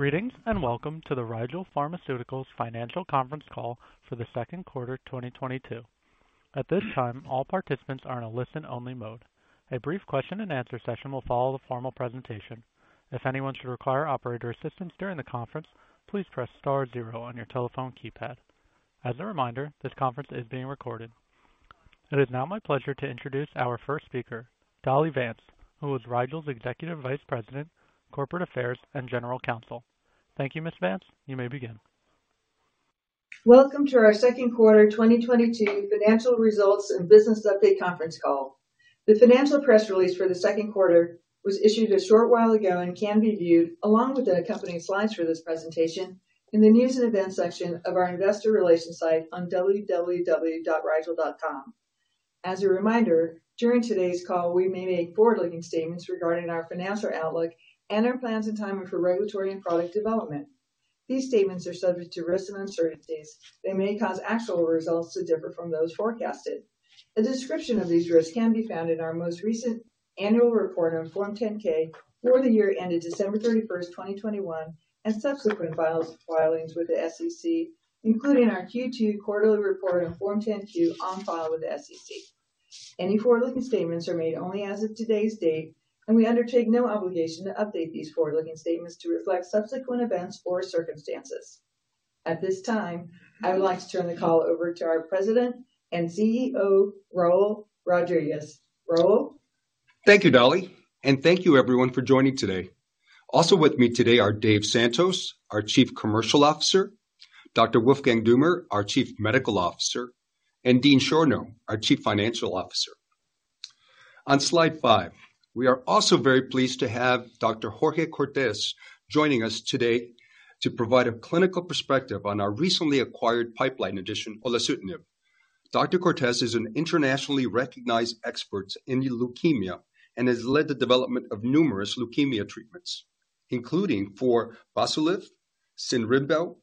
Greetings, and welcome to the Rigel Pharmaceuticals Financial Conference Call for the second quarter 2022. At this time, all participants are in a listen-only mode. A brief question and answer session will follow the formal presentation. If anyone should require operator assistance during the conference, please press star zero on your telephone keypad. As a reminder, this conference is being recorded. It is now my pleasure to introduce our first speaker, Dolly Vance, who is Rigel's Executive Vice President, Corporate Affairs, and General Counsel. Thank you, Ms. Vance. You may begin. Welcome to our second quarter 2022 financial results and business update conference call. The financial press release for the second quarter was issued a short while ago and can be viewed along with the accompanying slides for this presentation in the news and events section of our investor relations site on www.rigel.com. As a reminder, during today's call, we may make forward-looking statements regarding our financial outlook and our plans and timing for regulatory and product development. These statements are subject to risks and uncertainties that may cause actual results to differ from those forecasted. A description of these risks can be found in our most recent annual report on Form 10-K for the year ended December 31st, 2021, and subsequent filings with the SEC, including our Q2 quarterly report on Form 10-Q on file with the SEC. Any forward-looking statements are made only as of today's date, and we undertake no obligation to update these forward-looking statements to reflect subsequent events or circumstances. At this time, I would like to turn the call over to our President and CEO, Raul Rodriguez. Raul. Thank you, Dolly, and thank you everyone for joining today. Also with me today are Dave Santos, our Chief Commercial Officer, Dr. Wolfgang Dummer, our Chief Medical Officer, and Dean Schorno, our Chief Financial Officer. On slide five, we are also very pleased to have Dr. Jorge Cortes joining us today to provide a clinical perspective on our recently acquired pipeline addition, Olutasidenib. Dr. Cortes is an internationally recognized expert in leukemia and has led the development of numerous leukemia treatments, including for Tasigna, Synribo,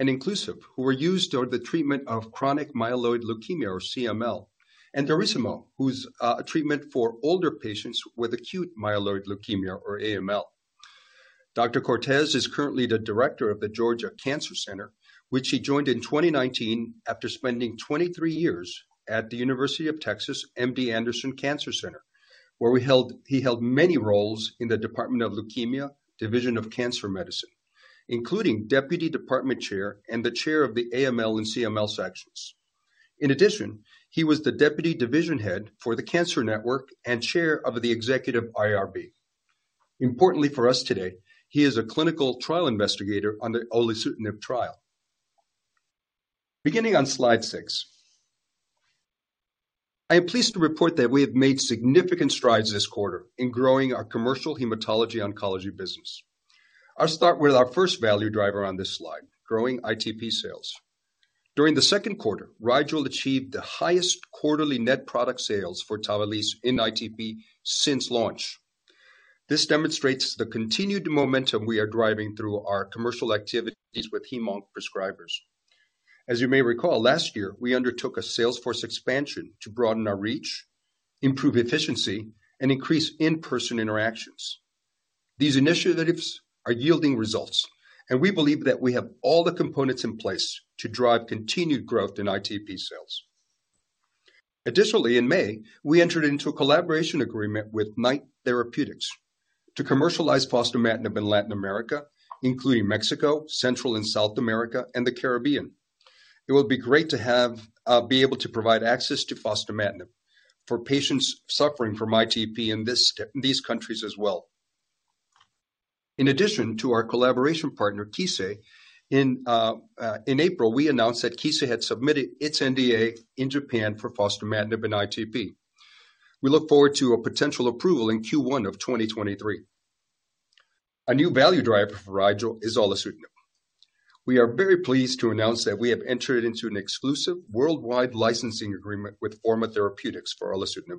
and Iclusig, who were used during the treatment of chronic myeloid leukemia or CML, and Daurismo, who's a treatment for older patients with acute myeloid leukemia or AML. Dr. Cortes is currently the director of the Georgia Cancer Center, which he joined in 2019 after spending 23 years at the University of Texas MD Anderson Cancer Center, where he held many roles in the Department of Leukemia, Division of Cancer Medicine, including Deputy Department Chair and the Chair of the AML and CML sections. In addition, he was the Deputy Division Head for the Cancer Network and Chair of the Executive IRB. Importantly for us today, he is a clinical trial investigator on the Olutasidenib trial. Beginning on slide six. I am pleased to report that we have made significant strides this quarter in growing our commercial hematology oncology business. I'll start with our first value driver on this slide, growing ITP sales. During the second quarter, Rigel achieved the highest quarterly net product sales for Tavalisse in ITP since launch. This demonstrates the continued momentum we are driving through our commercial activities with hem/onc prescribers. As you may recall, last year, we undertook a salesforce expansion to broaden our reach, improve efficiency, and increase in-person interactions. These initiatives are yielding results, and we believe that we have all the components in place to drive continued growth in ITP sales. Additionally, in May, we entered into a collaboration agreement with Knight Therapeutics to commercialize fostamatinib in Latin America, including Mexico, Central and South America, and the Caribbean. It will be great to be able to provide access to fostamatinib for patients suffering from ITP in these countries as well. In addition to our collaboration partner, Kissei, in April, we announced that Kissei had submitted its NDA in Japan for fostamatinib in ITP. We look forward to a potential approval in Q1 of 2023. A new value driver for Rigel is Olutasidenib. We are very pleased to announce that we have entered into an exclusive worldwide licensing agreement with Forma Therapeutics for Olutasidenib.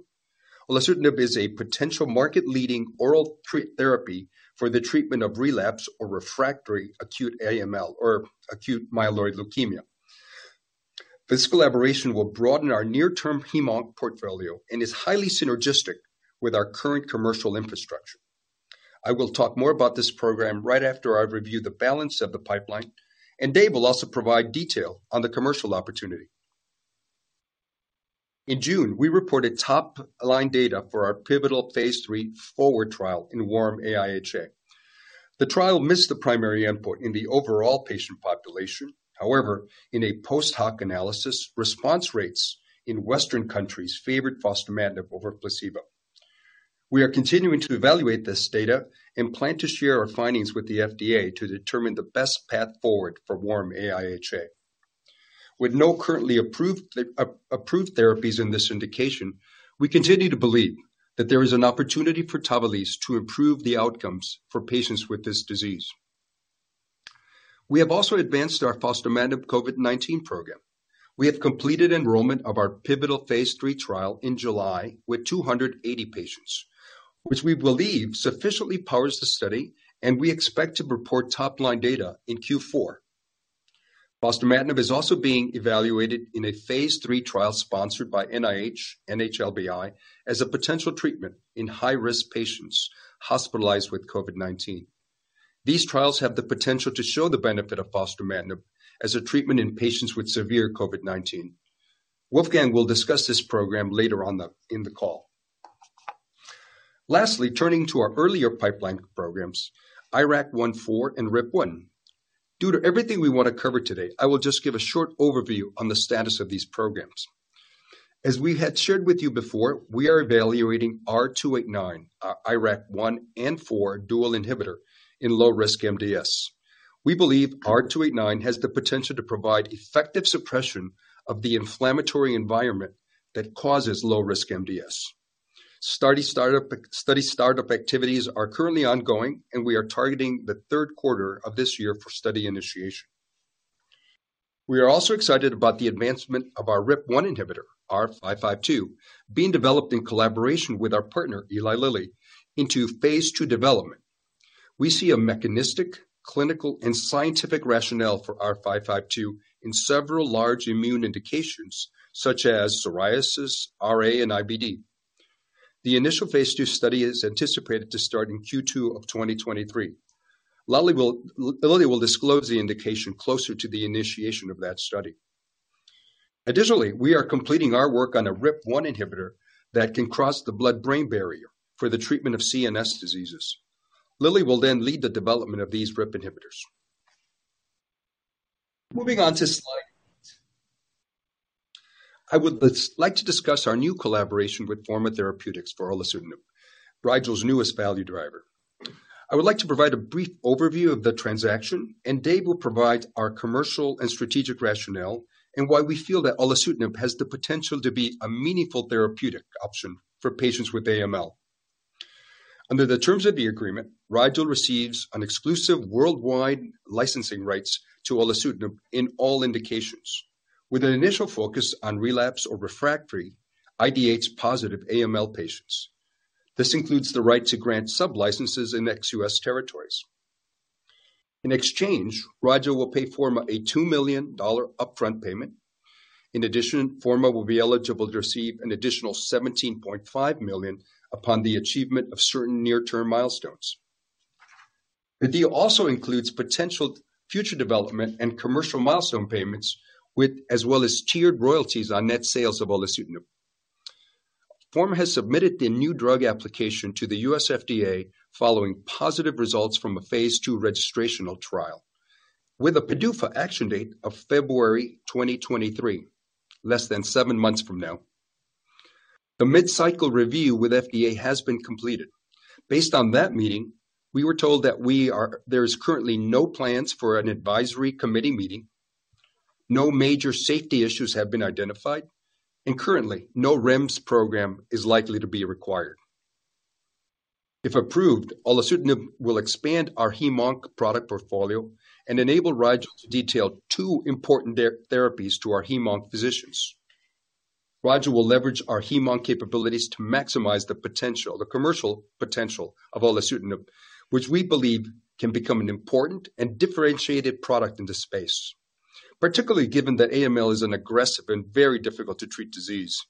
Olutasidenib is a potential market-leading oral therapy for the treatment of relapse or refractory acute AML or acute myeloid leukemia. This collaboration will broaden our near-term hemonc portfolio and is highly synergistic with our current commercial infrastructure. I will talk more about this program right after I review the balance of the pipeline, and Dave will also provide detail on the commercial opportunity. In June, we reported top-line data for our pivotal phase III FORWARD trial in warm AIHA. The trial missed the primary endpoint in the overall patient population. However, in a post-hoc analysis, response rates in Western countries favored fostamatinib over placebo. We are continuing to evaluate this data and plan to share our findings with the FDA to determine the best path forward for warm AIHA. With no currently approved therapies in this indication, we continue to believe that there is an opportunity for Tavalisse to improve the outcomes for patients with this disease. We have also advanced our fostamatinib COVID-19 program. We have completed enrollment of our pivotal phase III trial in July with 280 patients, which we believe sufficiently powers the study, and we expect to report top-line data in Q4. Fostamatinib is also being evaluated in a phase III trial sponsored by NIH, NHLBI, as a potential treatment in high-risk patients hospitalized with COVID-19. These trials have the potential to show the benefit of fostamatinib as a treatment in patients with severe COVID-19. Wolfgang will discuss this program later on in the call. Lastly, turning to our earlier pipeline programs, IRAK1/4, and RIP1. Due to everything we wanna cover today, I will just give a short overview on the status of these programs. As we had shared with you before, we are evaluating R289, our IRAK one and four dual inhibitor in low-risk MDS. We believe R289 has the potential to provide effective suppression of the inflammatory environment that causes low-risk MDS. Study startup activities are currently ongoing, and we are targeting the third quarter of this year for study initiation. We are also excited about the advancement of our RIP1 inhibitor, R552, being developed in collaboration with our partner, Eli Lilly, into phase II development. We see a mechanistic, clinical, and scientific rationale for R552 in several large immune indications such as psoriasis, RA, and IBD. The initial phase II study is anticipated to start in Q2 of 2023. Lilly will disclose the indication closer to the initiation of that study. Additionally, we are completing our work on a RIP1 inhibitor that can cross the blood-brain barrier for the treatment of CNS diseases. Lilly will then lead the development of these RIP1 inhibitors. Moving on to slide eight. I would like to discuss our new collaboration with Forma Therapeutics for olutasidenib, Rigel's newest value driver. I would like to provide a brief overview of the transaction, and Dave will provide our commercial and strategic rationale and why we feel that olutasidenib has the potential to be a meaningful therapeutic option for patients with AML. Under the terms of the agreement, Rigel receives an exclusive worldwide licensing rights to Olutasidenib in all indications with an initial focus on relapsed or refractory IDH-positive AML patients. This includes the right to grant sublicenses in ex-US territories. In exchange, Rigel will pay Forma a $2 million upfront payment. In addition, Forma will be eligible to receive an additional $17.5 million upon the achievement of certain near-term milestones. The deal also includes potential future development and commercial milestone payments, as well as tiered royalties on net sales of Olutasidenib. Forma has submitted the new drug application to the U.S. FDA following positive results from a phase II registrational trial. With a PDUFA action date of February 2023, less than seven months from now. The mid-cycle review with FDA has been completed. Based on that meeting, we were told that there is currently no plans for an advisory committee meeting, no major safety issues have been identified, and currently, no REMS program is likely to be required. If approved, Olutasidenib will expand our hem/onc product portfolio and enable Rigel to detail two important therapies to our hem/onc physicians. Rigel will leverage our hem/onc capabilities to maximize the potential, the commercial potential of Olutasidenib, which we believe can become an important and differentiated product in this space, particularly given that AML is an aggressive and very difficult-to-treat disease.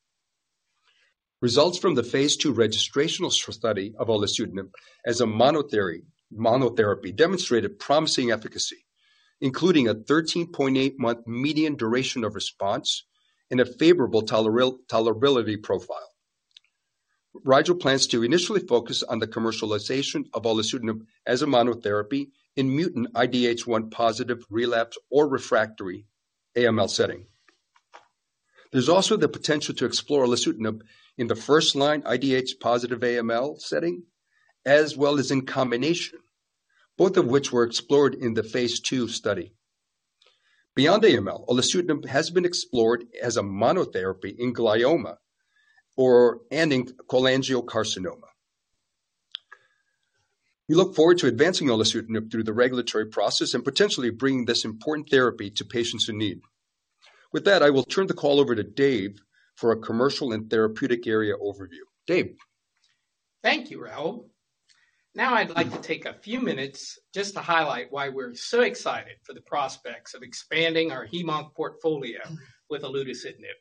Results from the phase II registrational study of Olutasidenib as a monotherapy demonstrated promising efficacy, including a 13.8-month median duration of response and a favorable tolerability profile. Rigel plans to initially focus on the commercialization of Olutasidenib as a monotherapy in mutant IDH1-positive relapse or refractory AML setting. There's also the potential to explore Olutasidenib in the first-line IDH positive AML setting, as well as in combination, both of which were explored in the phase II study. Beyond AML, Olutasidenib has been explored as a monotherapy in glioma and in cholangiocarcinoma. We look forward to advancing Olutasidenib through the regulatory process and potentially bringing this important therapy to patients in need. With that, I will turn the call over to Dave for a commercial and therapeutic area overview. Dave. Thank you, Raul. Now I'd like to take a few minutes just to highlight why we're so excited for the prospects of expanding our hemonc portfolio with Olutasidenib.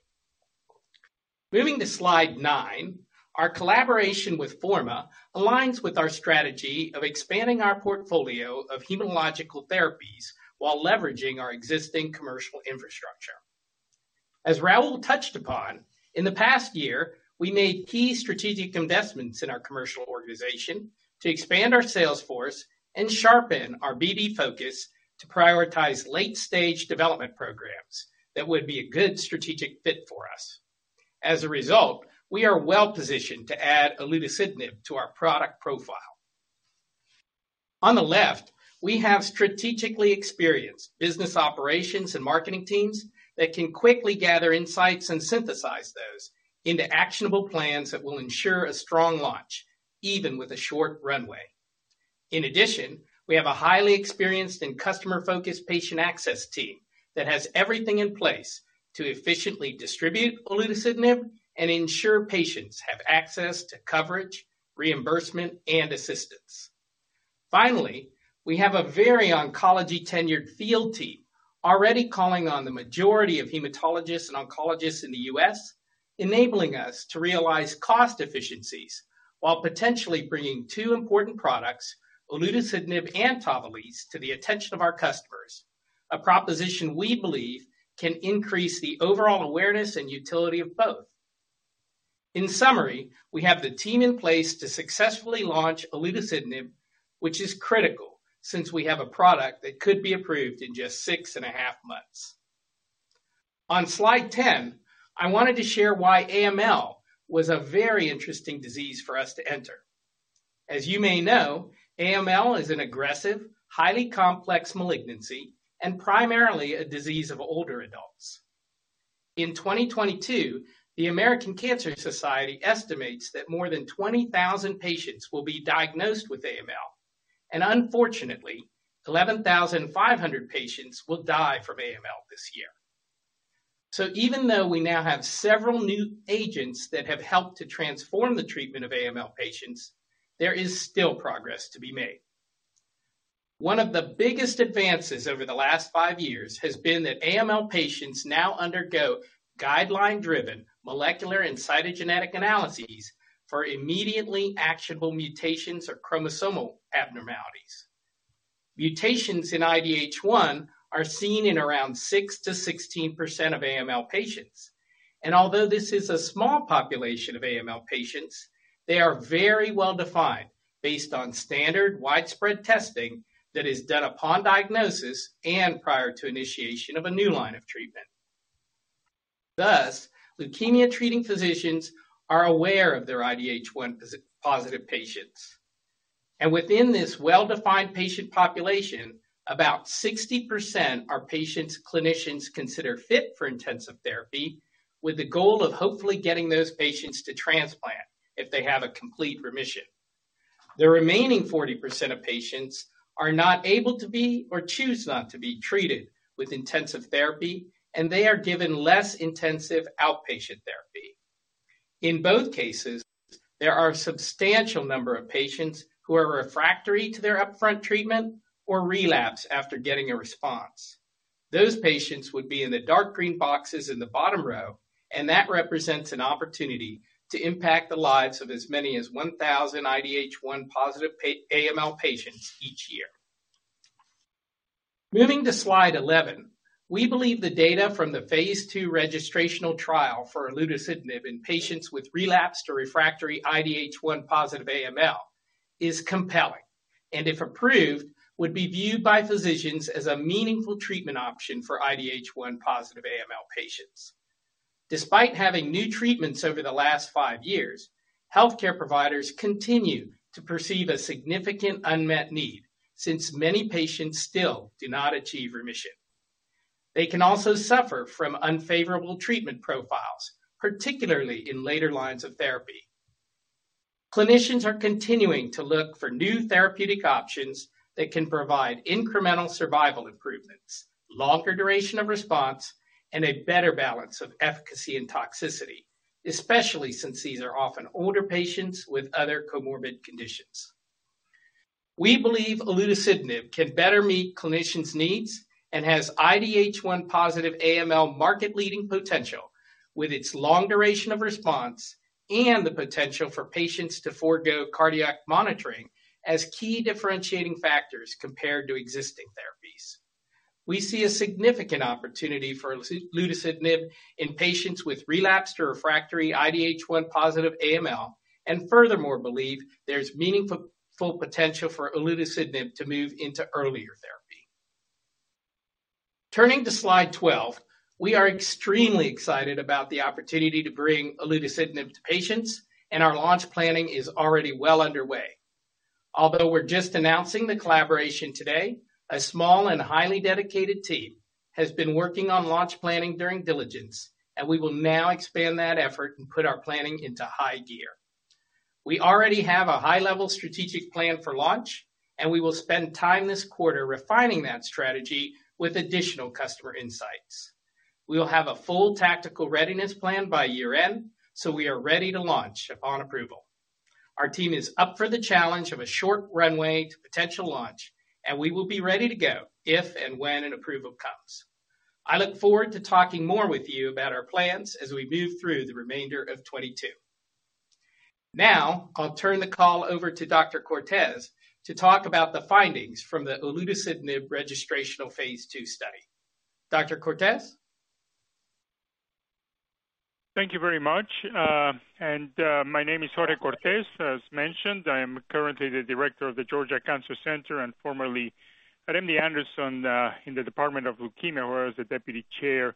Moving to slide nine. Our collaboration with Forma aligns with our strategy of expanding our portfolio of hematological therapies while leveraging our existing commercial infrastructure. As Raul touched upon, in the past year, we made key strategic investments in our commercial organization to expand our sales force and sharpen our BB focus to prioritize late-stage development programs that would be a good strategic fit for us. As a result, we are well-positioned to add Olutasidenib to our product profile. On the left, we have strategically experienced business operations and marketing teams that can quickly gather insights and synthesize those into actionable plans that will ensure a strong launch, even with a short runway. In addition, we have a highly experienced and customer-focused patient access team that has everything in place to efficiently distribute Olutasidenib and ensure patients have access to coverage, reimbursement, and assistance. Finally, we have a very oncology tenured field team already calling on the majority of hematologists and oncologists in the U.S., enabling us to realize cost efficiencies while potentially bringing two important products, Olutasidenib and Tavalisse, to the attention of our customers, a proposition we believe can increase the overall awareness and utility of both. In summary, we have the team in place to successfully launch Olutasidenib, which is critical since we have a product that could be approved in just six and a half months. On slide 10, I wanted to share why AML was a very interesting disease for us to enter. As you may know, AML is an aggressive, highly complex malignancy and primarily a disease of older adults. In 2022, the American Cancer Society estimates that more than 20,000 patients will be diagnosed with AML, and unfortunately, 11,500 patients will die from AML this year. Even though we now have several new agents that have helped to transform the treatment of AML patients, there is still progressed to be made. One of the biggest advances over the last five years has been that AML patients now undergo guideline-driven molecular and cytogenetic analyses for immediately actionable mutations or chromosomal abnormalities. Mutations in IDH1 are seen in around 6%-16% of AML patients. Although this is a small population of AML patients, they are very well-defined based on standard widespread testing that is done upon diagnosis and prior to initiation of a new line of treatment. Thus, leukemia-treating physicians are aware of their IDH1-positive patients, and within this well-defined patient population, about 60% are patient's clinicians consider fit for intensive therapy with the goal of hopefully getting those patients to transplant if they have a complete remission. The remaining 40% of patients are not able to be or choose not to be treated with intensive therapy, and they are given less intensive outpatient therapy. In both cases, there are a substantial number of patients who are refractory to their upfront treatment or relapse after getting a response. Those patients would be in the dark green boxes in the bottom row, and that represents an opportunity to impact the lives of as many as 1,000 IDH1-positive AML patients each year. Moving to slide 11. We believe the data from the phase II registrational trial for Olutasidenib in patients with relapsed or refractory IDH1-positive AML is compelling, and if approved, would be viewed by physicians as a meaningful treatment option for IDH1-positive AML patients. Despite having new treatments over the last five years, healthcare providers continue to perceive a significant unmet need since many patients still do not achieve remission. They can also suffer from unfavorable treatment profiles, particularly in later lines of therapy. Clinicians are continuing to look for new therapeutic options that can provide incremental survival improvements, longer duration of response, and a better balance of efficacy and toxicity, especially since these are often older patients with other comorbid conditions. We believe Olutasidenib can better meet clinicians' needs and has IDH1-positive AML market-leading potential with its long duration of response and the potential for patients to forego cardiac monitoring as key differentiating factors compared to existing therapies. We see a significant opportunity for Olutasidenib in patients with relapsed or refractory IDH1-positive AML and furthermore believe there's meaningful potential for Olutasidenib to move into earlier therapy. Turning to slide 12. We are extremely excited about the opportunity to bring Olutasidenib to patients, and our launch planning is already well underway. Although we're just announcing the collaboration today, a small and highly dedicated team has been working on launch planning during diligence, and we will now expand that effort and put our planning into high gear. We already have a high-level strategic plan for launch, and we will spend time this quarter refining that strategy with additional customer insights. We will have a full tactical readiness plan by year-end, so we are ready to launch upon approval. Our team is up for the challenge of a short runway to potential launch, and we will be ready to go if and when an approval comes. I look forward to talking more with you about our plans as we move through the remainder of 2022. Now, I'll turn the call over to Dr. Cortes to talk about the findings from the Olutasidenib registrational phase II study. Dr. Cortes. Thank you very much. My name is Jorge Cortes. As mentioned, I am currently the director of the Georgia Cancer Center and formerly at MD Anderson in the Department of Leukemia, where I was the deputy chair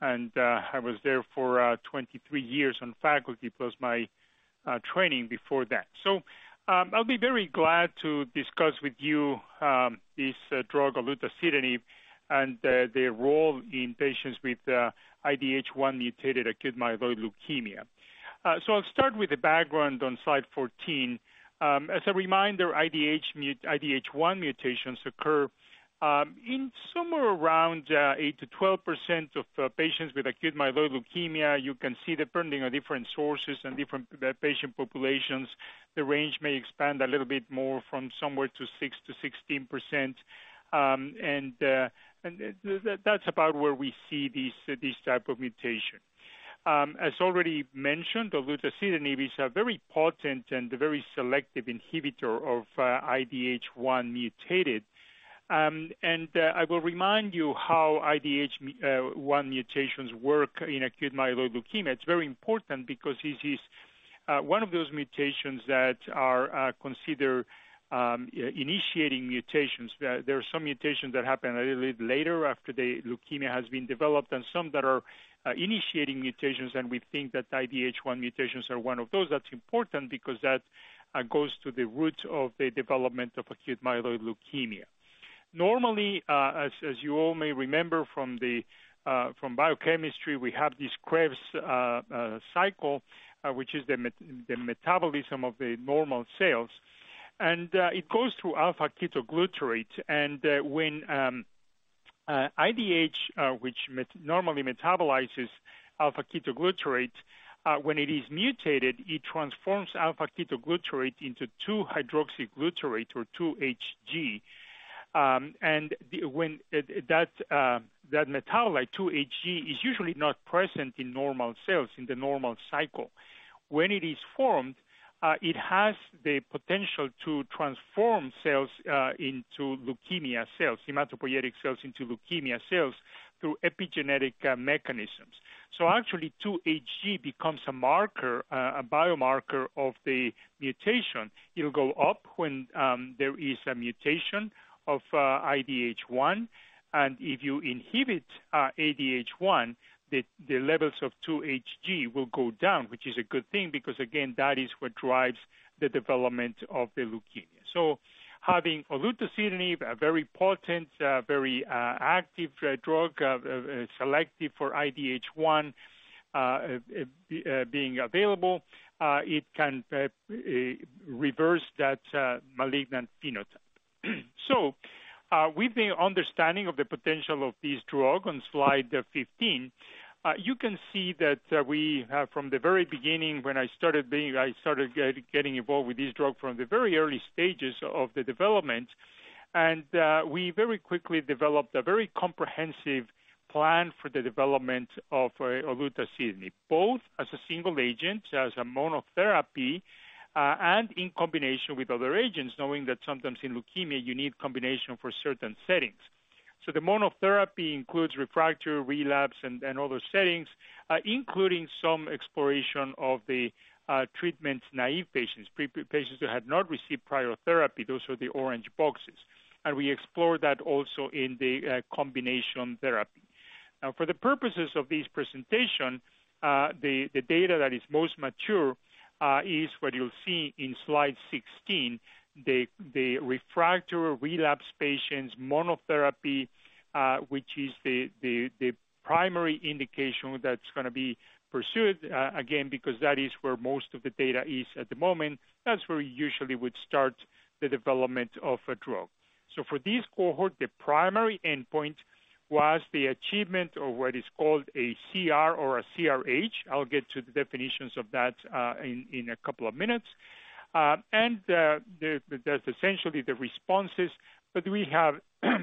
and I was there for 23 years on faculty plus my training before that. I'll be very glad to discuss with you this drug olutasidenib and the role in patients with IDH1-mutated acute myeloid leukemia. I'll start with the background on slide 14. As a reminder, IDH1 mutations occur in somewhere around 8%-12% of patients with acute myeloid leukemia. You can see depending on different sources and different patient populations, the range may expand a little bit more from somewhere to 6%-16%. That's about where we see this type of mutation. As already mentioned, Olutasidenib is a very potent and very selective inhibitor of IDH1 mutated. I will remind you how IDH1 mutations work in acute myeloid leukemia. It's very important because this is one of those mutations that are considered initiating mutations. There are some mutations that happen a little bit later after the leukemia has been developed and some that are initiating mutations, and we think that IDH1 mutations are one of those. That's important because that goes to the root of the development of acute myeloid leukemia. Normally, as you all may remember from biochemistry, we have this Krebs cycle, which is the metabolism of the normal cells. It goes through alpha-ketoglutarate. When IDH, which normally metabolizes alpha-ketoglutarate, when it is mutated, it transforms alpha-ketoglutarate into 2-hydroxyglutarate, or 2-HG. When that metabolite, 2-HG, is usually not present in normal cells in the normal cycle. When it is formed, it has the potential to transform cells into leukemia cells, hematopoietic cells into leukemia cells, through epigenetic mechanisms. Actually, 2-HG becomes a marker, a biomarker of the mutation. It'll go up when there is a mutation of IDH1. If you inhibit IDH1, the levels of 2-HG will go down, which is a good thing because, again, that is what drives the development of the leukemia. Having Olutasidenib, a very potent, very active drug, selective for IDH1, being available, it can reverse that malignant phenotype. With the understanding of the potential of this drug on slide 15, you can see that we have from the very beginning when I started getting involved with this drug from the very early stages of the development. We very quickly developed a very comprehensive plan for the development of Olutasidenib, both as a single agent, as a monotherapy, and in combination with other agents, knowing that sometimes in leukemia you need combination for certain settings. The monotherapy includes refractory, relapse, and other settings, including some exploration of the treatment-naive patients who had not received prior therapy. Those are the orange boxes. We explore that also in the combination therapy. Now, for the purposes of this presentation, the data that is most mature is what you'll see in slide 16, the refractory relapse patients monotherapy, which is the primary indication that's gonna be pursued, again, because that is where most of the data is at the moment. That's where we usually would start the development of a drug. For this cohort, the primary endpoint was the achievement of what is called a CR or a CRh. I'll get to the definitions of that in a couple of minutes. That's essentially the responses. We have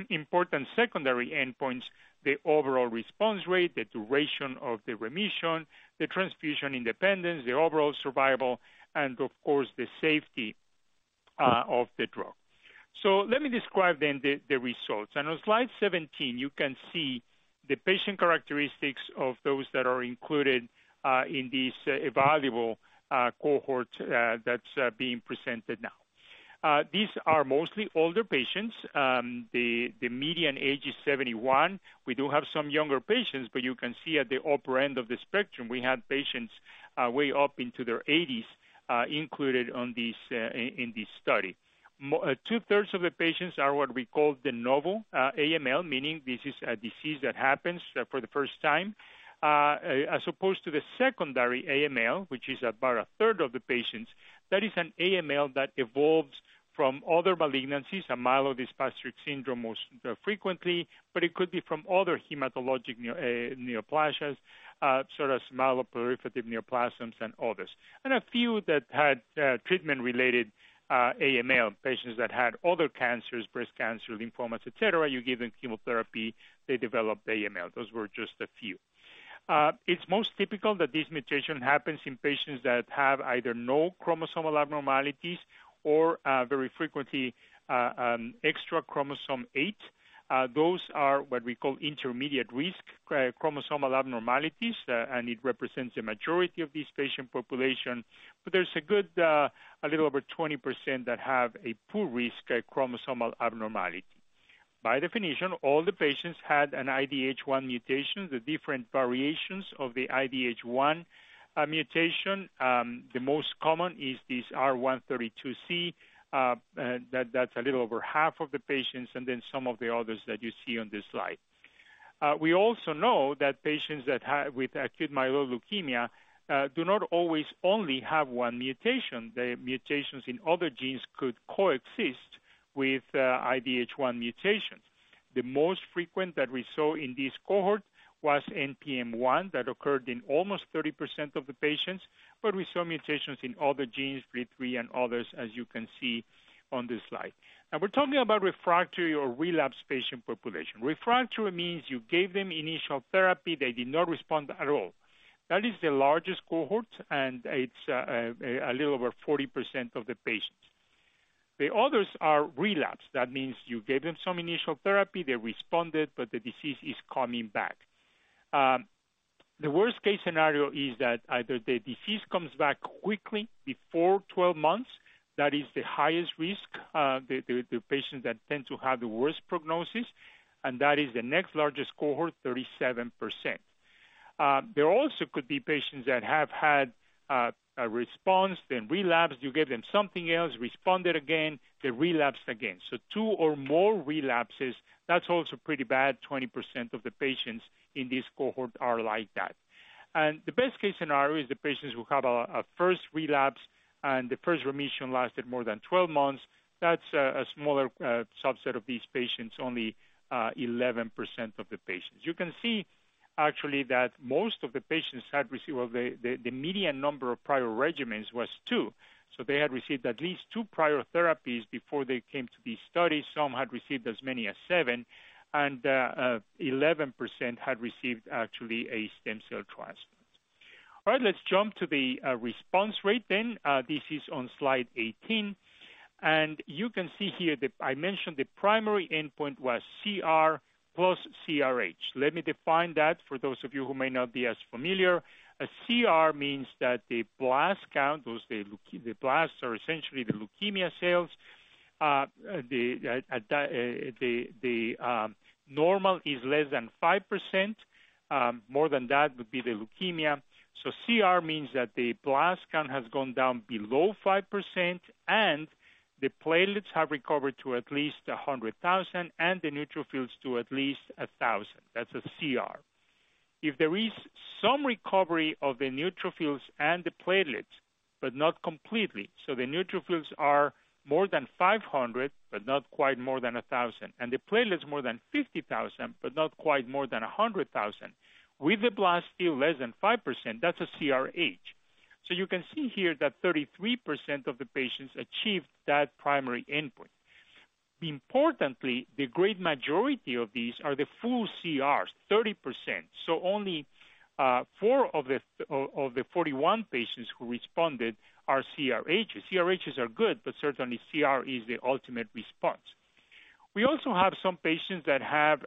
important secondary endpoints, the overall response rate, the duration of the remission, the transfusion independence, the overall survival, and of course, the safety of the drug. Let me describe the results. On slide 17, you can see the patient characteristics of those that are included in this evaluable cohort that's being presented now. These are mostly older patients. The median age is 71. We do have some younger patients, but you can see at the upper end of the spectrum, we have patients way up into their eighties included in this study. Two-thirds of the patients are what we call the novel AML, meaning this is a disease that happens for the first time as opposed to the secondary AML, which is about a third of the patients. That is an AML that evolves from other malignancies, a myelodysplastic syndrome most frequently, but it could be from other hematologic neoplasias, so that's myeloproliferative neoplasms and others. A few that had treatment-related AML, patients that had other cancers, breast cancer, lymphomas, et cetera. You give them chemotherapy, they develop AML. Those were just a few. It's most typical that this mutation happens in patients that have either no chromosomal abnormalities or very frequently extra chromosome eight. Those are what we call intermediate risk chromosomal abnormalities, and it represents a majority of this patient population. There's a good, a little over 20% that have a poor-risk chromosomal abnormality. By definition, all the patients had an IDH1 mutation, the different variations of the IDH1 mutation. The most common is this R132C, that's a little over half of the patients, and then some of the others that you see on this slide. We also know that patients with acute myeloid leukemia do not always only have one mutation. The mutations in other genes could coexist with IDH1 mutations. The most frequent that we saw in this cohort was NPM1. That occurred in almost 30% of the patients, but we saw mutations in other genes, FLT3 and others, as you can see on this slide. We're talking about refractory or relapse patient population. Refractory means you gave them initial therapy, they did not respond at all. That is the largest cohort, and it's a little over 40% of the patients. The others are relapsed. That means you gave them some initial therapy, they responded, but the disease is coming back. The worst-case scenario is that either the disease comes back quickly before 12 months. That is the highest risk, the patients that tend to have the worst prognosis, and that is the next largest cohort, 37%. There also could be patients that have had a response, then relapsed. You give them something else, responded again, they relapsed again. Two or more relapses, that's also pretty bad. 20% of the patients in this cohort are like that. The best-case scenario is the patients who had a first relapse and the first remission lasted more than 12 months. That's a smaller subset of these patients, only 11% of the patients. You can see actually that most of the patients had received... Well, the median number of prior regimens was two, so they had received at least two prior therapies before they came to the study. Some had received as many as seven, and 11% had received actually a stem cell transplant. All right, let's jump to the response rate then. This is on slide 18, and you can see here I mentioned the primary endpoint was CR plus CRh. Let me define that for those of you who may not be as familiar. A CR means that the blast count, those, the blasts are essentially the leukemia cells. The normal is less than 5%. More than that would be the leukemia. CR means that the blast count has gone down below 5%, and the platelets have recovered to at least 100,000, and the neutrophils to at least 1,000. That's a CR. If there is some recovery of the neutrophils and the platelets, but not completely, so the neutrophils are more than 500, but not quite more than 1,000, and the platelets more than 50,000, but not quite more than 100,000 with the blast still less than 5%, that's a CRh. You can see here that 33% of the patients achieved that primary endpoint. Importantly, the great majority of these are the full CRs, 30%. Only four of the 41 patients who responded are CRhs. CRhs are good, but certainly CR is the ultimate response. We also have some patients that have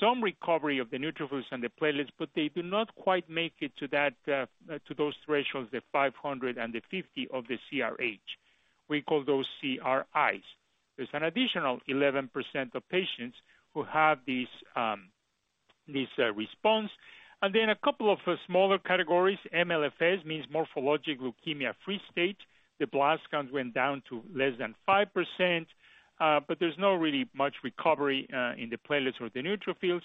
some recovery of the neutrophils and the platelets, but they do not quite make it to those thresholds, the 500 and the 50 of the CRh. We call those CRis. There's an additional 11% of patients who have this response. Then a couple of smaller categories. MLFS means morphologic leukemia-free state. The blast counts went down to less than 5%, but there's no really much recovery in the platelets or the neutrophils.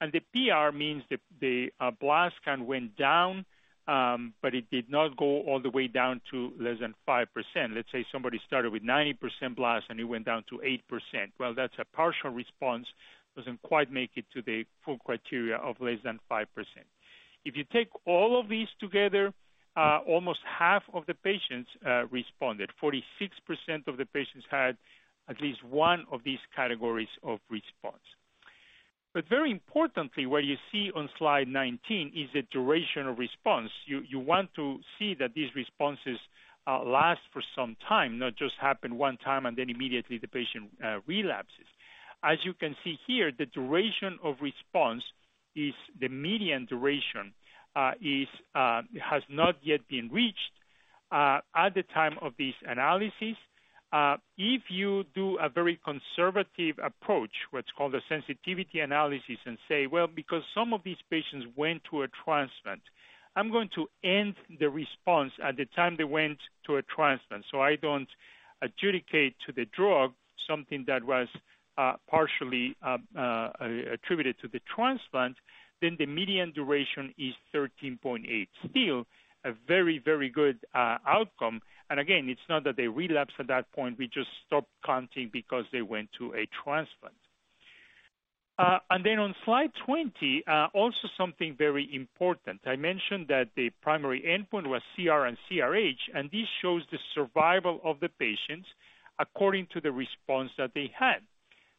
The PR means the blast count went down, but it did not go all the way down to less than 5%. Let's say somebody started with 90% blasts, and it went down to 8%. Well, that's a partial response. Doesn't quite make it to the full criteria of less than 5%. If you take all of these together, almost half of the patients responded. 46% of the patients had at least one of these categories of response. Very importantly, what you see on slide 19 is the duration of response. You want to see that these responses last for some time, not just happen one time, and then immediately the patient relapses. As you can see here, the duration of response is the median duration has not yet been reached at the time of this analysis. If you do a very conservative approach, what's called a sensitivity analysis, and say, well, because some of these patients went to a transplant, I'm going to end the response at the time they went to a transplant, so I don't adjudicate to the drug something that was, partially, attributed to the transplant, then the median duration is 13.8. Still a very, very good outcome. Again, it's not that they relapsed at that point. We just stopped counting because they went to a transplant. Then on slide 20, also something very important. I mentioned that the primary endpoint was CR and CRh, and this shows the survival of the patients according to the response that they had.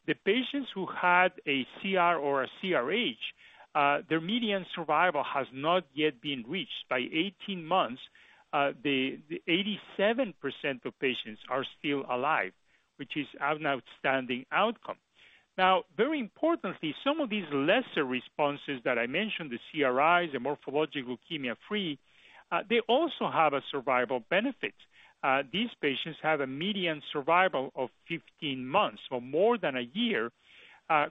The patients who had a CR or a CRh, their median survival has not yet been reached. By 18 months, the 87% of patients are still alive, which is an outstanding outcome. Now, very importantly, some of these lesser responses that I mentioned, the CRis, the morphologic leukemia-free, they also have a survival benefit. These patients have a median survival of 15 months or more than a year,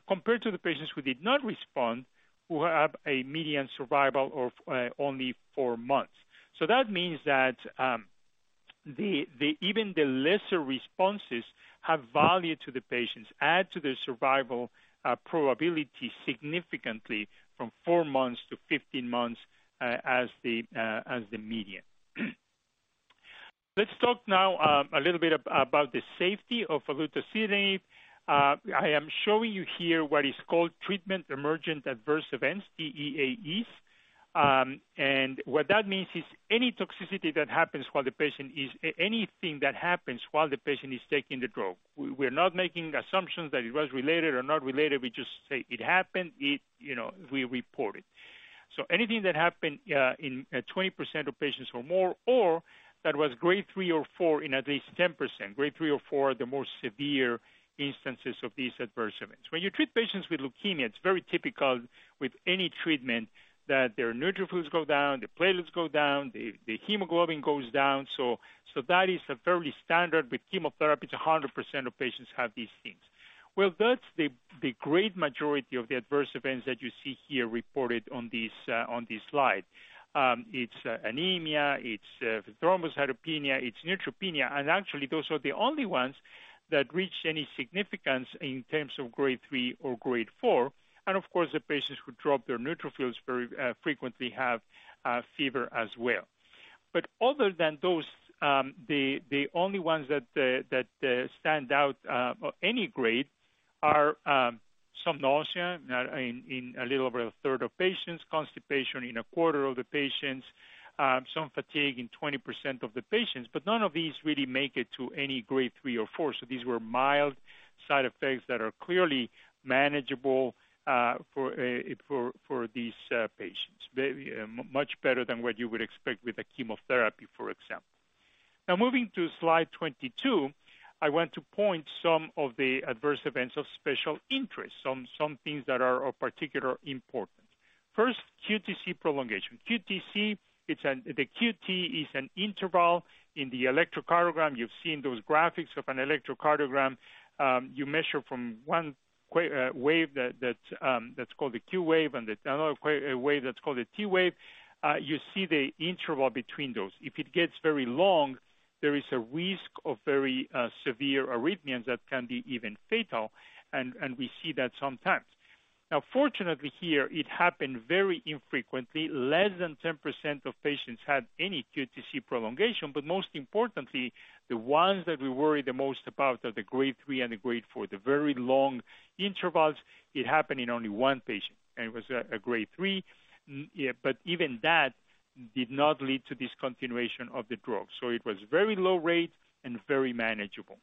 compared to the patients who did not respond, who have a median survival of only four months. That means that even the lesser responses have value to the patients, add to their survival probability significantly from four months to 15 months, as the median. Let's talk now, a little bit about the safety of olutasidenib. I am showing you here what is called treatment-emergent adverse events, TEAEs. What that means is any toxicity that happens while the patient is taking the drug. We're not making assumptions that it was related or not related. We just say it happened. You know, we report it. Anything that happened in 20% of patients or more, or that was grade 3 or 4 in at least 10%. Grade 3 or 4 are the most severe instances of these adverse events. When you treat patients with leukemia, it's very typical with any treatment that their neutrophils go down, their platelets go down, the hemoglobin goes down. That is a fairly standard with chemotherapy. 100% of patients have these things. Well, that's the great majority of the adverse events that you see here reported on this slide. It's anemia, it's thrombocytopenia, it's neutropenia. Actually, those are the only ones that reached any significance in terms of grade 3 or 4. Of course, the patients who drop their neutrophils very frequently have fever as well. Other than those, the only ones that stand out of any grade are some nausea in a little over a third of patients, constipation in a quarter of the patients, some fatigue in 20% of the patients. None of these really make it to any grade 3 or 4. These were mild side effects that are clearly manageable for these patients. Very much better than what you would expect with a chemotherapy, for example. Now moving to slide 22, I want to point some of the adverse events of special interest, some things that are of particular importance. First, QTC prolongation. QTC. The QT is an interval in the electrocardiogram. You've seen those graphics of an electrocardiogram. You measure from one wave that's called the Q wave, and another wave that's called the T wave. You see the interval between those. If it gets very long, there is a risk of very severe arrhythmias that can be even fatal, and we see that sometimes. Now, fortunately here it happened very infrequently. Less than 10% of patients had any QTC prolongation. But most importantly, the ones that we worry the most about are the grade 3 and the grade 4. The very long intervals, it happened in only one patient, and it was a grade three. Yeah. Even that did not lead to discontinuation of the drug. It was very low rate and very manageable.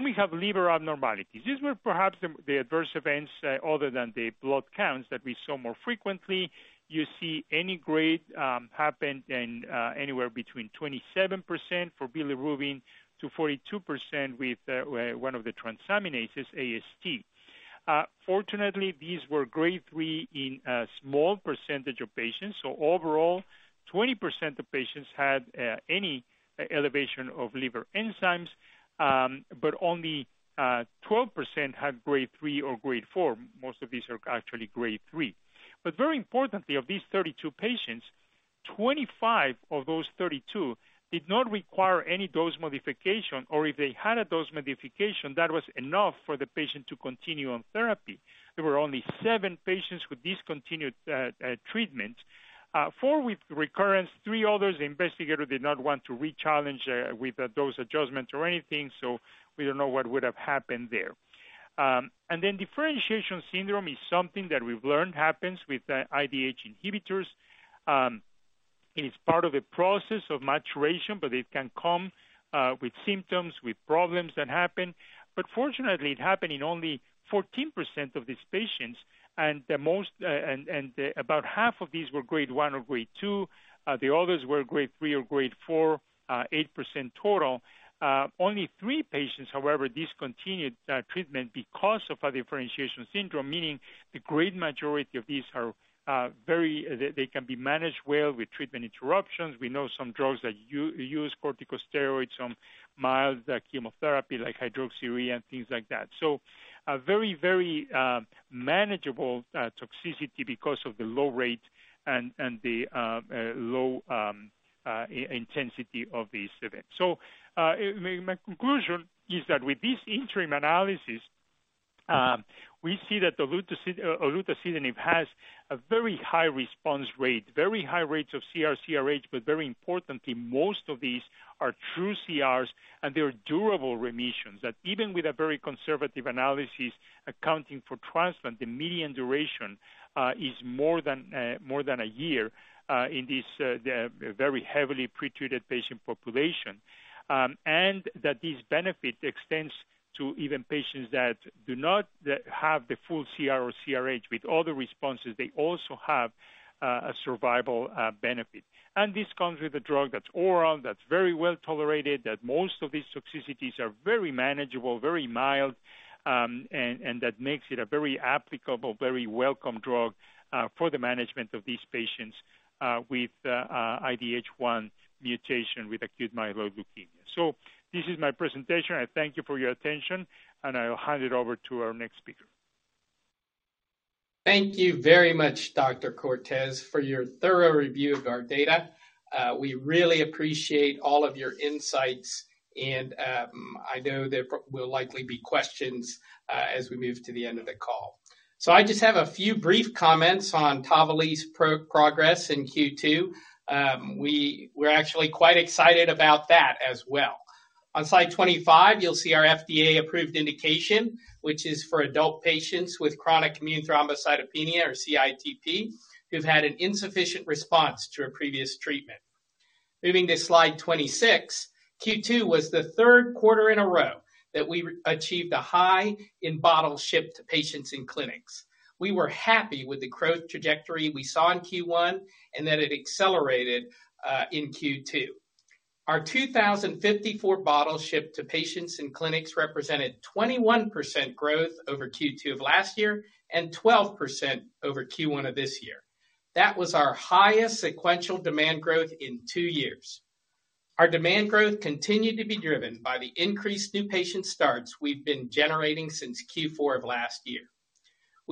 We have liver abnormalities. These were perhaps the adverse events other than the blood counts that we saw more frequently. You see any grade happened in anywhere between 27% for bilirubin to 42% with one of the transaminases, AST. Fortunately, these were grade three in a small percentage of patients. Overall, 20% of patients had any elevation of liver enzymes, but only 12% had grade 3 or grade 4. Most of these are actually grade 3. Very importantly, of these 32 patients, 25 of those 32 did not require any dose modification, or if they had a dose modification, that was enough for the patient to continue on therapy. There were only seven patients who discontinued treatment. Four with recurrence. Three others, the investigator did not want to re-challenge with a dose adjustment or anything, so we don't know what would have happened there. Differentiation syndrome is something that we've learned happens with IDH inhibitors. It is part of a process of maturation, but it can come with symptoms, with problems that happen. Fortunately, it happened in only 14% of these patients. About half of these were grade 1 or grade 2. The others were grade 3 or grade 4, 8% total. Only three patients, however, discontinued treatment because of a differentiation syndrome. Meaning the great majority of these are very. They can be managed well with treatment interruptions. We know some drugs that use corticosteroids, some mild chemotherapy like hydroxyurea and things like that. A very manageable toxicity because of the low rate and the low intensity of these events. My conclusion is that with this interim analysis, we see that the olutasidenib has a very high response rate, very high rates of CR, CRh, but very importantly, most of these are true CRs and they are durable remissions. That even with a very conservative analysis accounting for transplant, the median duration is more than a year in this very heavily pre-treated patient population. This benefit extends to even patients that do not have the full CR or CRh. With other responses, they also have a survival benefit. This comes with a drug that's oral, that's very well-tolerated, that most of these toxicities are very manageable, very mild, and that makes it a very applicable, very welcome drug for the management of these patients with IDH1 mutation with acute myeloid leukemia. This is my presentation. I thank you for your attention, and I'll hand it over to our next speaker. Thank you very much, Dr. Cortes, for your thorough review of our data. We really appreciate all of your insights, and I know there will likely be questions as we move to the end of the call. I just have a few brief comments on Tavalisse's progress in Q2. We're actually quite excited about that as well. On slide 25, you'll see our FDA-approved indication, which is for adult patients with chronic immune thrombocytopenia or CITP who've had an insufficient response to a previous treatment. Moving to slide 26. Q2 was the third quarter in a row that we achieved a high in bottles shipped to patients in clinics. We were happy with the growth trajectory we saw in Q1 and that it accelerated in Q2. Our 2,054 bottles shipped to patients in clinics represented 21% growth over Q2 of last year and 12% over Q1 of this year. That was our highest sequential demand growth in two years. Our demand growth continued to be driven by the increased new patient starts we've been generating since Q4 of last year.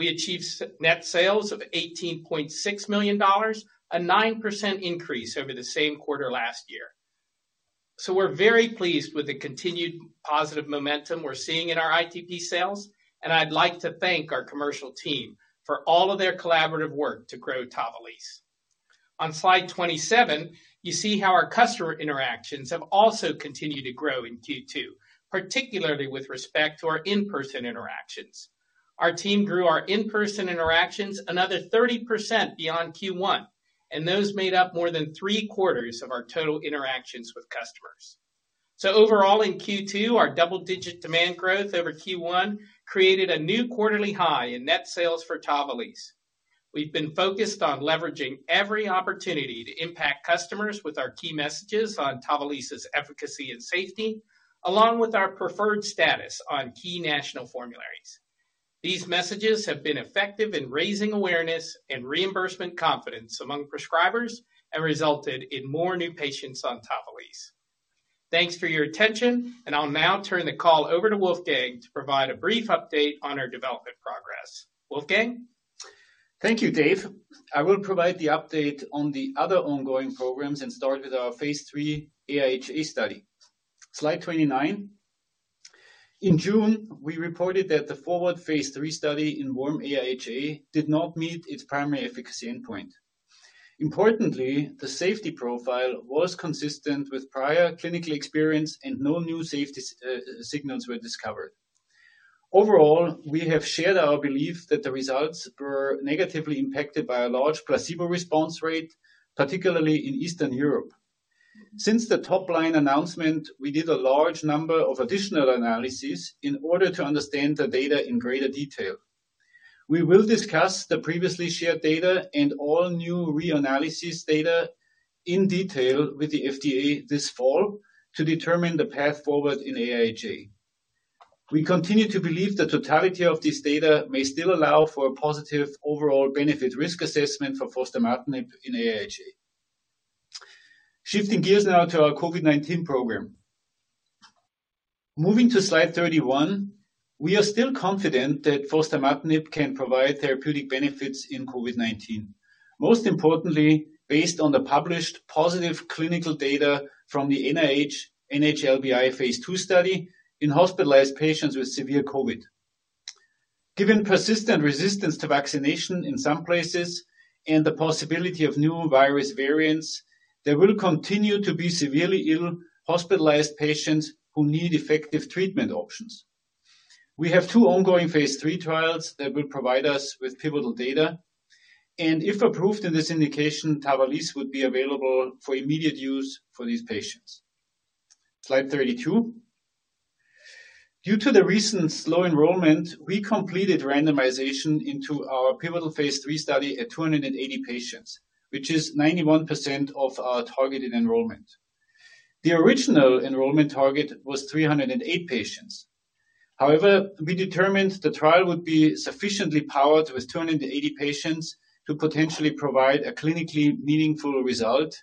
We achieved net sales of $18.6 million, a 9% increase over the same quarter last year. We're very pleased with the continued positive momentum we're seeing in our ITP sales. I'd like to thank our commercial team for all of their collaborative work to grow Tavalisse. On slide 27, you see how our customer interactions have also continued to grow in Q2, particularly with respect to our in-person interactions. Our team grew our in-person interactions another 30% beyond Q1, and those made up more than three-quarters of our total interactions with customers. Overall, in Q2, our double-digit demand growth over Q1 created a new quarterly high in net sales for Tavalisse. We've been focused on leveraging every opportunity to impact customers with our key messages on Tavalisse's efficacy and safety, along with our preferred status on key national formularies. These messages have been effective in raising awareness and reimbursement confidence among prescribers and resulted in more new patients on Tavalisse. Thanks for your attention, and I'll now turn the call over to Wolfgang to provide a brief update on our development progress. Wolfgang. Thank you, Dave. I will provide the update on the other ongoing programs and start with our phase III AIHA study. Slide 29. In June, we reported that the FORWARD phase III study in warm AIHA did not meet its primary efficacy endpoint. Importantly, the safety profile was consistent with prior clinical experience and no new safety signals were discovered. Overall, we have shared our belief that the results were negatively impacted by a large placebo response rate, particularly in Eastern Europe. Since the top-line announcement, we did a large number of additional analysis in order to understand the data in greater detail. We will discuss the previously shared data and all new re-analysis data in detail with the FDA this fall to determine the path forward in AIHA. We continue to believe the totality of this data may still allow for a positive overall benefit risk assessment for fostamatinib in AIHA. Shifting gears now to our COVID-19 program. Moving to slide 31. We are still confident that fostamatinib can provide therapeutic benefits in COVID-19. Most importantly, based on the published positive clinical data from the NIH/NHLBI phase II study in hospitalized patients with severe COVID. Given persistent resistance to vaccination in some places and the possibility of new virus variants, there will continue to be severely ill hospitalized patients who need effective treatment options. We have two ongoing phase III trials that will provide us with pivotal data, and if approved in this indication, Tavalisse would be available for immediate use for these patients. Slide 32. Due to the recent slow enrollment, we completed randomization into our pivotal phase III study at 280 patients, which is 91% of our targeted enrollment. The original enrollment target was 308 patients. However, we determined the trial would be sufficiently powered with 280 patients to potentially provide a clinically meaningful result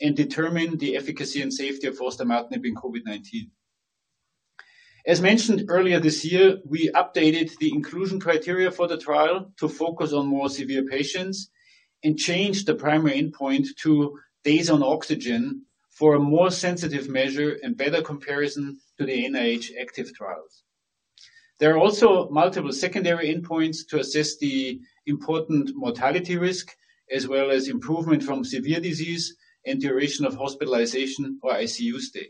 and determine the efficacy and safety of fostamatinib in COVID-19. As mentioned earlier this year, we updated the inclusion criteria for the trial to focus on more severe patients and changed the primary endpoint to days on oxygen for a more sensitive measure and better comparison to the NIH active trials. There are also multiple secondary endpoints to assess the important mortality risk as well as improvement from severe disease and duration of hospitalization or ICU stay.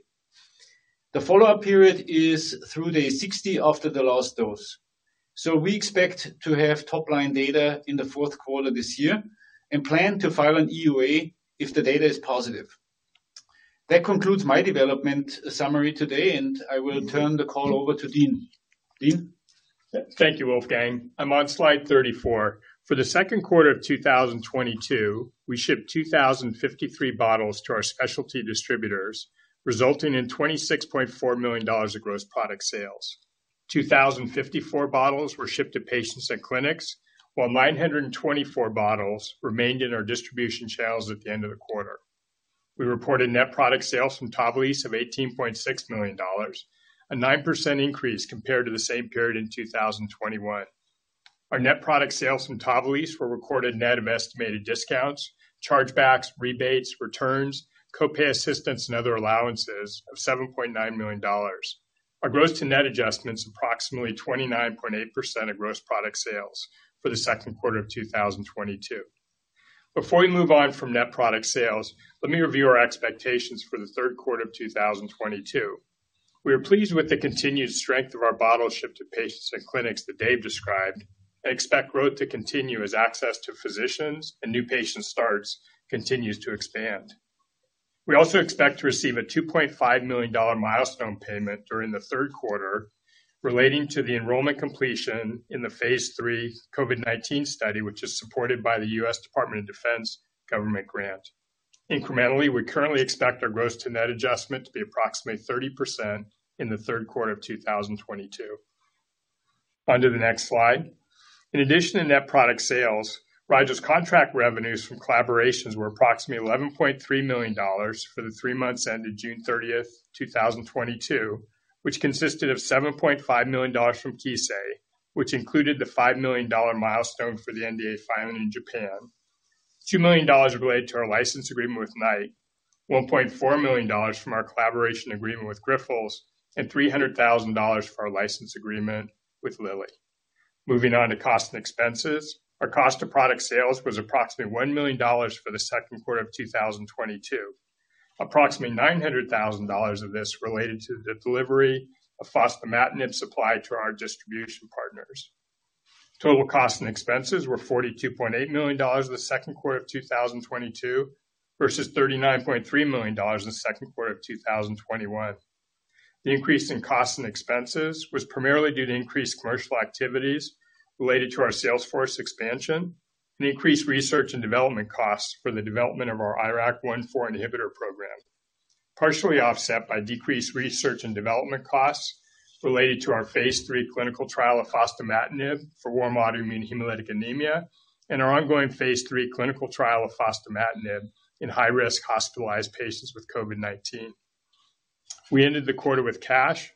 The follow-up period is through day 60 after the last dose. We expect to have top-line data in the fourth quarter this year and plan to file an EUA if the data is positive. That concludes my development summary today, and I will turn the call over to Dean. Dean? Thank you, Wolfgang. I'm on slide 34. For the second quarter of 2022, we shipped 2,053 bottles to our specialty distributors, resulting in $26.4 million of gross product sales. 2,054 bottles were shipped to patients and clinics, while 924 bottles remained in our distribution channels at the end of the quarter. We reported net product sales from Tavalisse of $18.6 million, a 9% increase compared to the same period in 2021. Our net product sales from Tavalisse were recorded net of estimated discounts, chargebacks, rebates, returns, copay assistance, and other allowances of $7.9 million. Our gross to net adjustment is approximately 29.8% of gross product sales for the second quarter of 2022. Before we move on from net product sales, let me review our expectations for the third quarter of 2022. We are pleased with the continued strength of our bottle shipped to patients and clinics that Dave described and expect growth to continue as access to physicians and new patient starts continues to expand. We also expect to receive a $2.5 million milestone payment during the third quarter relating to the enrollment completion in the phase III COVID-19 study, which is supported by the U.S. Department of Defense government grant. Incrementally, we currently expect our gross to net adjustment to be approximately 30% in the third quarter of 2022. On to the next slide. In addition to net product sales, Rigel's contract revenues from collaborations were approximately $11.3 million for the three months ended June 30th, 2022, which consisted of $7.5 million from Kissei, which included the $5 million milestone for the NDA filing in Japan. $2 million relate to our license agreement with Knight, $1.4 million from our collaboration agreement with Grifols, and $300,000 for our license agreement with Lilly. Moving on to cost and expenses. Our cost of product sales was approximately $1 million for the second quarter of 2022. Approximately $900,000 of this related to the delivery of fostamatinib supplied to our distribution partners. Total costs and expenses were $42.8 million in the second quarter of 2022 versus $39.3 million in the second quarter of 2021. The increase in costs and expenses was primarily due to increased commercial activities related to our sales force expansion and increased research and development costs for the development of our IRAK1/4 inhibitor program, partially offset by decreased research and development costs related to our phase III clinical trial of fostamatinib for warm autoimmune hemolytic anemia and our ongoing phase III clinical trial of fostamatinib in high-risk hospitalized patients with COVID-19. We ended the quarter with cash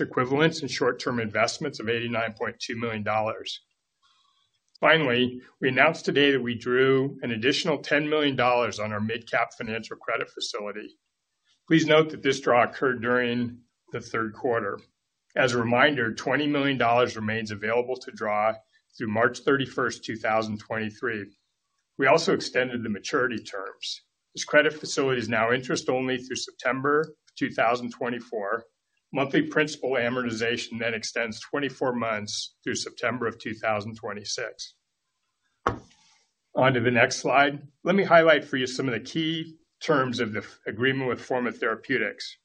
equivalents and short-term investments of $89.2 million. Finally, we announced today that we drew an additional $10 million on our MidCap Financial credit facility. Please note that this draw occurred during the third quarter. As a reminder, $20 million remains available to draw through March 31st, 2023. We also extended the maturity terms. This credit facility is now interest only through September 2024. Monthly principal amortization then extends 24 months through September 2026. On to the next slide. Let me highlight for you some of the key terms of the agreement with Forma Therapeutics.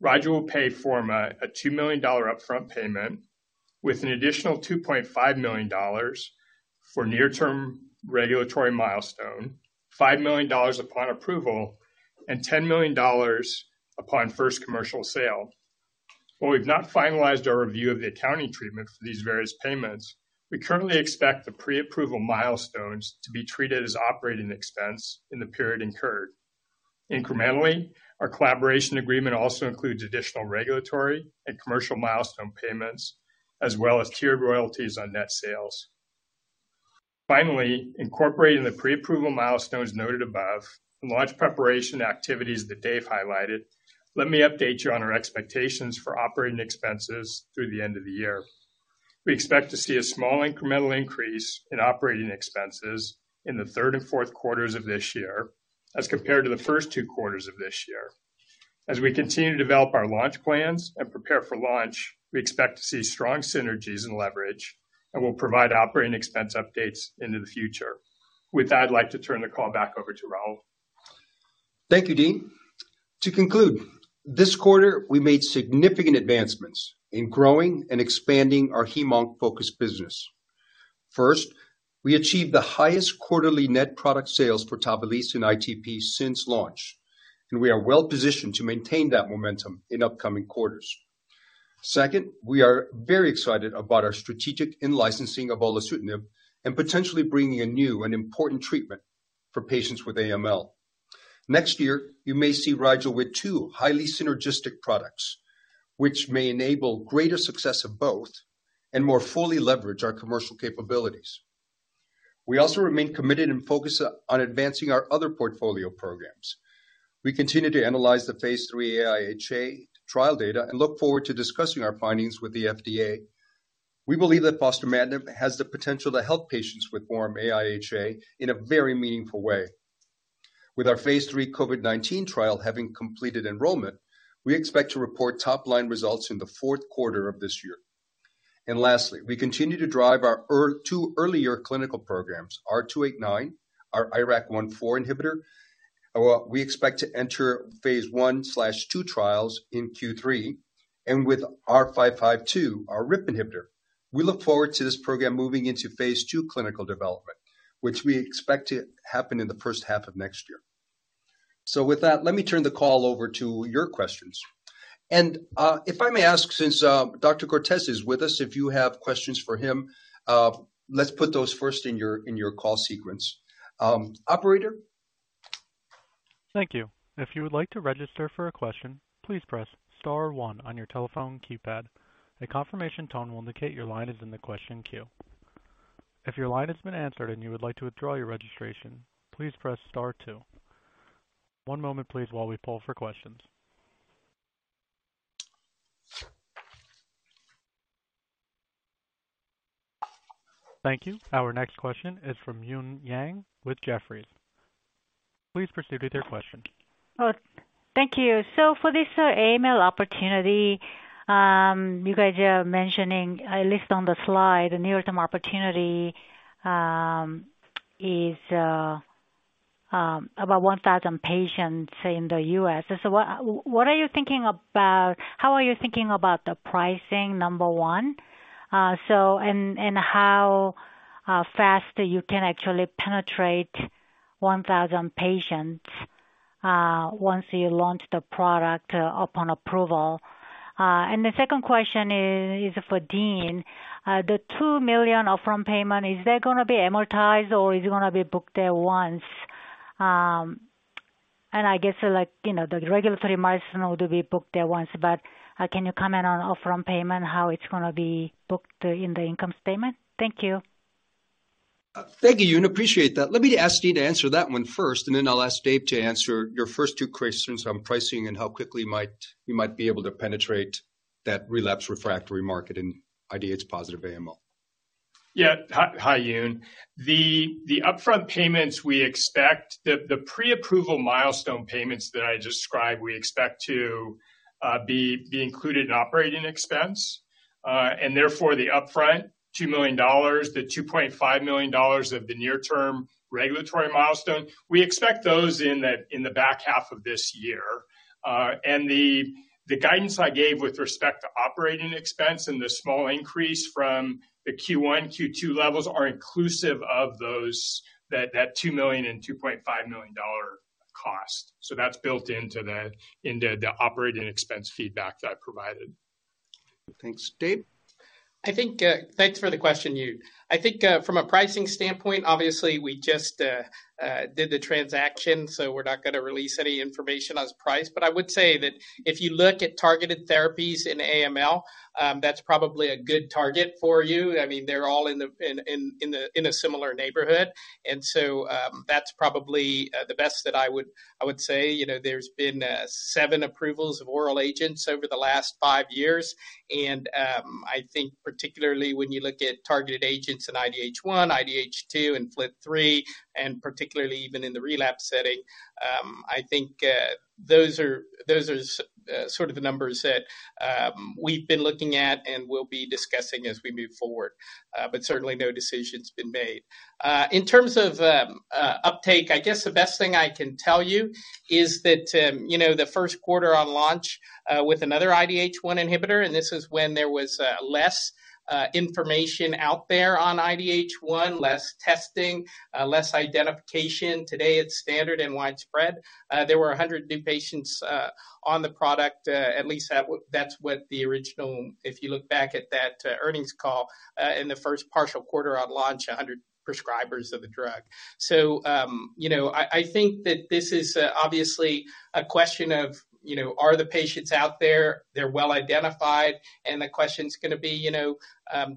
Rigel will pay Forma a $2 million upfront payment with an additional $2.5 million for near-term regulatory milestone, $5 million upon approval and $10 million upon first commercial sale. While we've not finalized our review of the accounting treatment for these various payments, we currently expect the pre-approval milestones to be treated as operating expense in the period incurred. Incrementally, our collaboration agreement also includes additional regulatory and commercial milestone payments as well as tiered royalties on net sales. Finally, incorporating the pre-approval milestones noted above and launch preparation activities that Dave highlighted, let me update you on our expectations for operating expenses through the end of the year. We expect to see a small incremental increase in operating expenses in the third and fourth quarters of this year as compared to the first two quarters of this year. As we continue to develop our launch plans and prepare for launch, we expect to see strong synergies and leverage and will provide operating expense updates into the future. With that, I'd like to turn the call back over to Raul. Thank you, Dean. To conclude, this quarter, we made significant advancements in growing and expanding our hem/onc-focused business. First, we achieved the highest quarterly net product sales for Tavalisse and ITP since launch, and we are well positioned to maintain that momentum in upcoming quarters. Second, we are very excited about our strategic in-licensing of Olutasidenib and potentially bringing a new and important treatment for patients with AML. Next year, you may see Rigel with two highly synergistic products, which may enable greater success of both and more fully leverage our commercial capabilities. We also remain committed and focused on advancing our other portfolio programs. We continue to analyze the phase III AIHA trial data and look forward to discussing our findings with the FDA. We believe that fostamatinib has the potential to help patients with warm AIHA in a very meaningful way. With our phase III COVID-19 trial having completed enrollment, we expect to report top-line results in the fourth quarter of this year. Lastly, we continue to drive our two earlier clinical programs, R289, our IRAK1/4 inhibitor, we expect to enter phase I/II trials in Q3, and with R552, our RIP inhibitor. We look forward to this program moving into phase II clinical development, which we expect to happen in the first half of next year. With that, let me turn the call over to your questions. If I may ask, since Dr. Cortes is with us, if you have questions for him, let's put those first in your call sequence. Operator? Thank you. If you would like to register for a question, please press star one on your telephone keypad. A confirmation tone will indicate your line is in the question queue. If your line has been answered and you would like to withdraw your registration, please press star two. One moment please while we poll for questions. Thank you. Our next question is from Eun Yang with Jefferies. Please proceed with your question. Oh, thank you. So, for this AML opportunity, you guys are mentioning, at least on the slide, the near-term opportunity is about 1,000 patients in the U.S. What are you thinking about the pricing, number one? And how fast you can actually penetrate 1,000 patients once you launch the product upon approval? The second question is for Dean. The $2 million upfront payment, is that gonna be amortized or is it gonna be booked at once? And I guess like, you know, the regulatory milestone to be booked at once. Can you comment on upfront payment, how it's gonna be booked in the income statement? Thank you. Thank you, Eun. Appreciate that. Let me ask Dean to answer that one first, and then I'll ask Dave to answer your first two questions on pricing and how quickly we might be able to penetrate that relapse refractory market in IDH-positive AML. Hi, Eun. The upfront payments, we expect the pre-approval milestone payments that I described to be included in operating expense. Therefore, the upfront $2 million, the $2.5 million of the near-term regulatory milestone. We expect those in the back half of this year. The guidance I gave with respect to operating expense and the small increase from the Q1, Q2 levels are inclusive of those $2 million and $2.5 million dollar cost. That's built into the operating expense feedback that I provided. Thanks. Dave? I think, thanks for the question, Eun. I think, from a pricing standpoint, obviously we just did the transaction, so we're not gonna release any information on price. But I would say that if you look at targeted therapies in AML, that's probably a good target for you. I mean, they're all in a similar neighborhood. That's probably the best that I would say. You know, there's been seven approvals of oral agents over the last five years. I think particularly when you look at targeted agents in IDH1, IDH2, and FLT3, and particularly even in the relapse setting, I think, those are sort of the numbers that we've been looking at and will be discussing as we move forward. Certainly, no decision's been made. In terms of uptake, I guess the best thing I can tell you is that, you know, the first quarter on launch with another IDH1 inhibitor, and this is when there was less information out there on IDH1, less testing, less identification. Today, it's standard and widespread. There were 100 new patients on the product, at least that's what the original. If you look back at that earnings call in the first partial quarter on launch, 100 prescribers of the drug. You know, I think that this is obviously a question of, you know, are the patients out there? They're well-identified. The question's gonna be, you know,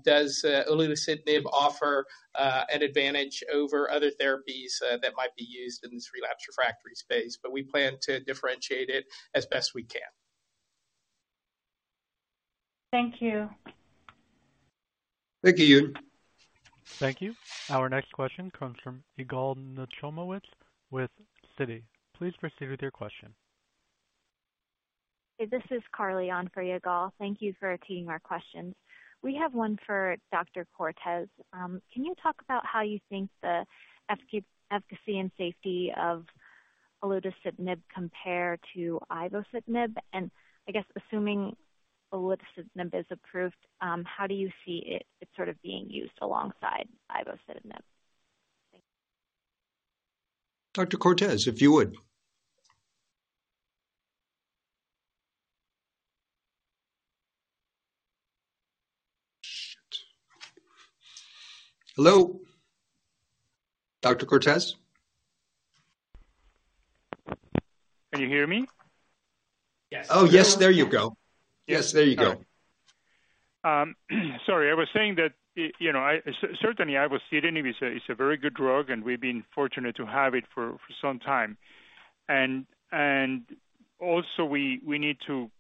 does Olutasidenib offer an advantage over other therapies that might be used in this relapse refractory space? We plan to differentiate it as best we can. Thank you. Thank you, Eun. Thank you. Our next question comes from Yigal Nochomovitz with Citi. Please proceed with your question. Hey, this is Carly on for Yigal. Thank you for taking our questions. We have one for Dr. Cortes. Can you talk about how you think the efficacy and safety of Olutasidenib compare to Ivosidenib? I guess assuming Olutasidenib is approved, how do you see it sort of being used alongside Ivosidenib? Thank you. Dr. Cortes, if you would. Hello, Dr. Cortes? Can you hear me? Yes. Oh, yes. There you go. Yes, there you go. Sorry. I was saying that, you know, certainly Ivosidenib is a very good drug, and we've been fortunate to have it for some time. Also we need to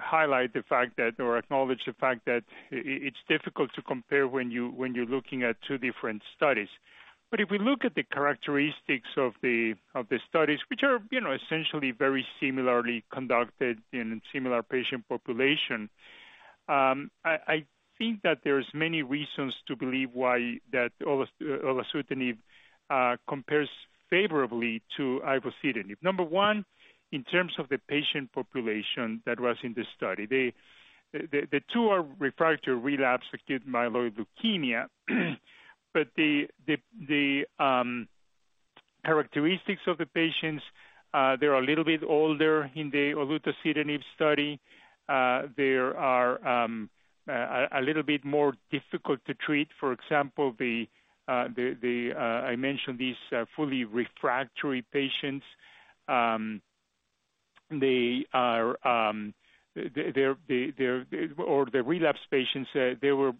highlight the fact that or acknowledge the fact that it's difficult to compare when you're looking at two different studies. If we look at the characteristics of the studies, which are, you know, essentially very similarly conducted in a similar patient population, I think that there's many reasons to believe why that olutasidenib compares favorably to Ivosidenib. Number one, in terms of the patient population that was in this study, the two are refractory relapse acute myeloid leukemia. The characteristics of the patients, they're a little bit older in the olutasidenib study. They are a little bit more difficult to treat. For example, I mentioned these fully refractory patients. They are their or the relapse patients, there were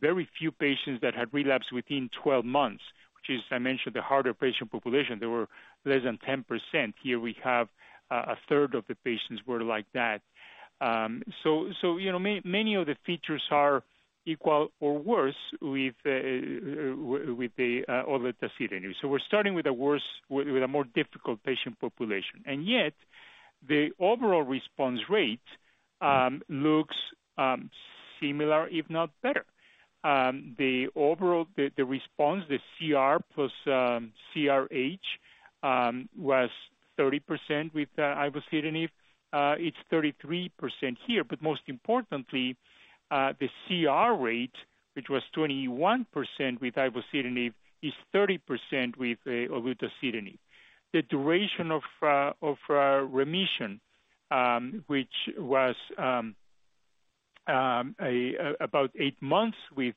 very few patients that had relapsed within 12 months, which is I mentioned, the harder patient population. They were less than 10%. Here we have a third of the patients were like that. You know, many of the features are equal or worse with the Olutasidenib. We're starting with a worse with a more difficult patient population. Yet, the overall response rate looks similar if not better. The overall response CR plus CRh was 30% with ivosidenib. It's 33% here. Most importantly, the CR rate, which was 21% with Ivosidenib, is 30% with Olutasidenib. The duration of remission, which was about eight months with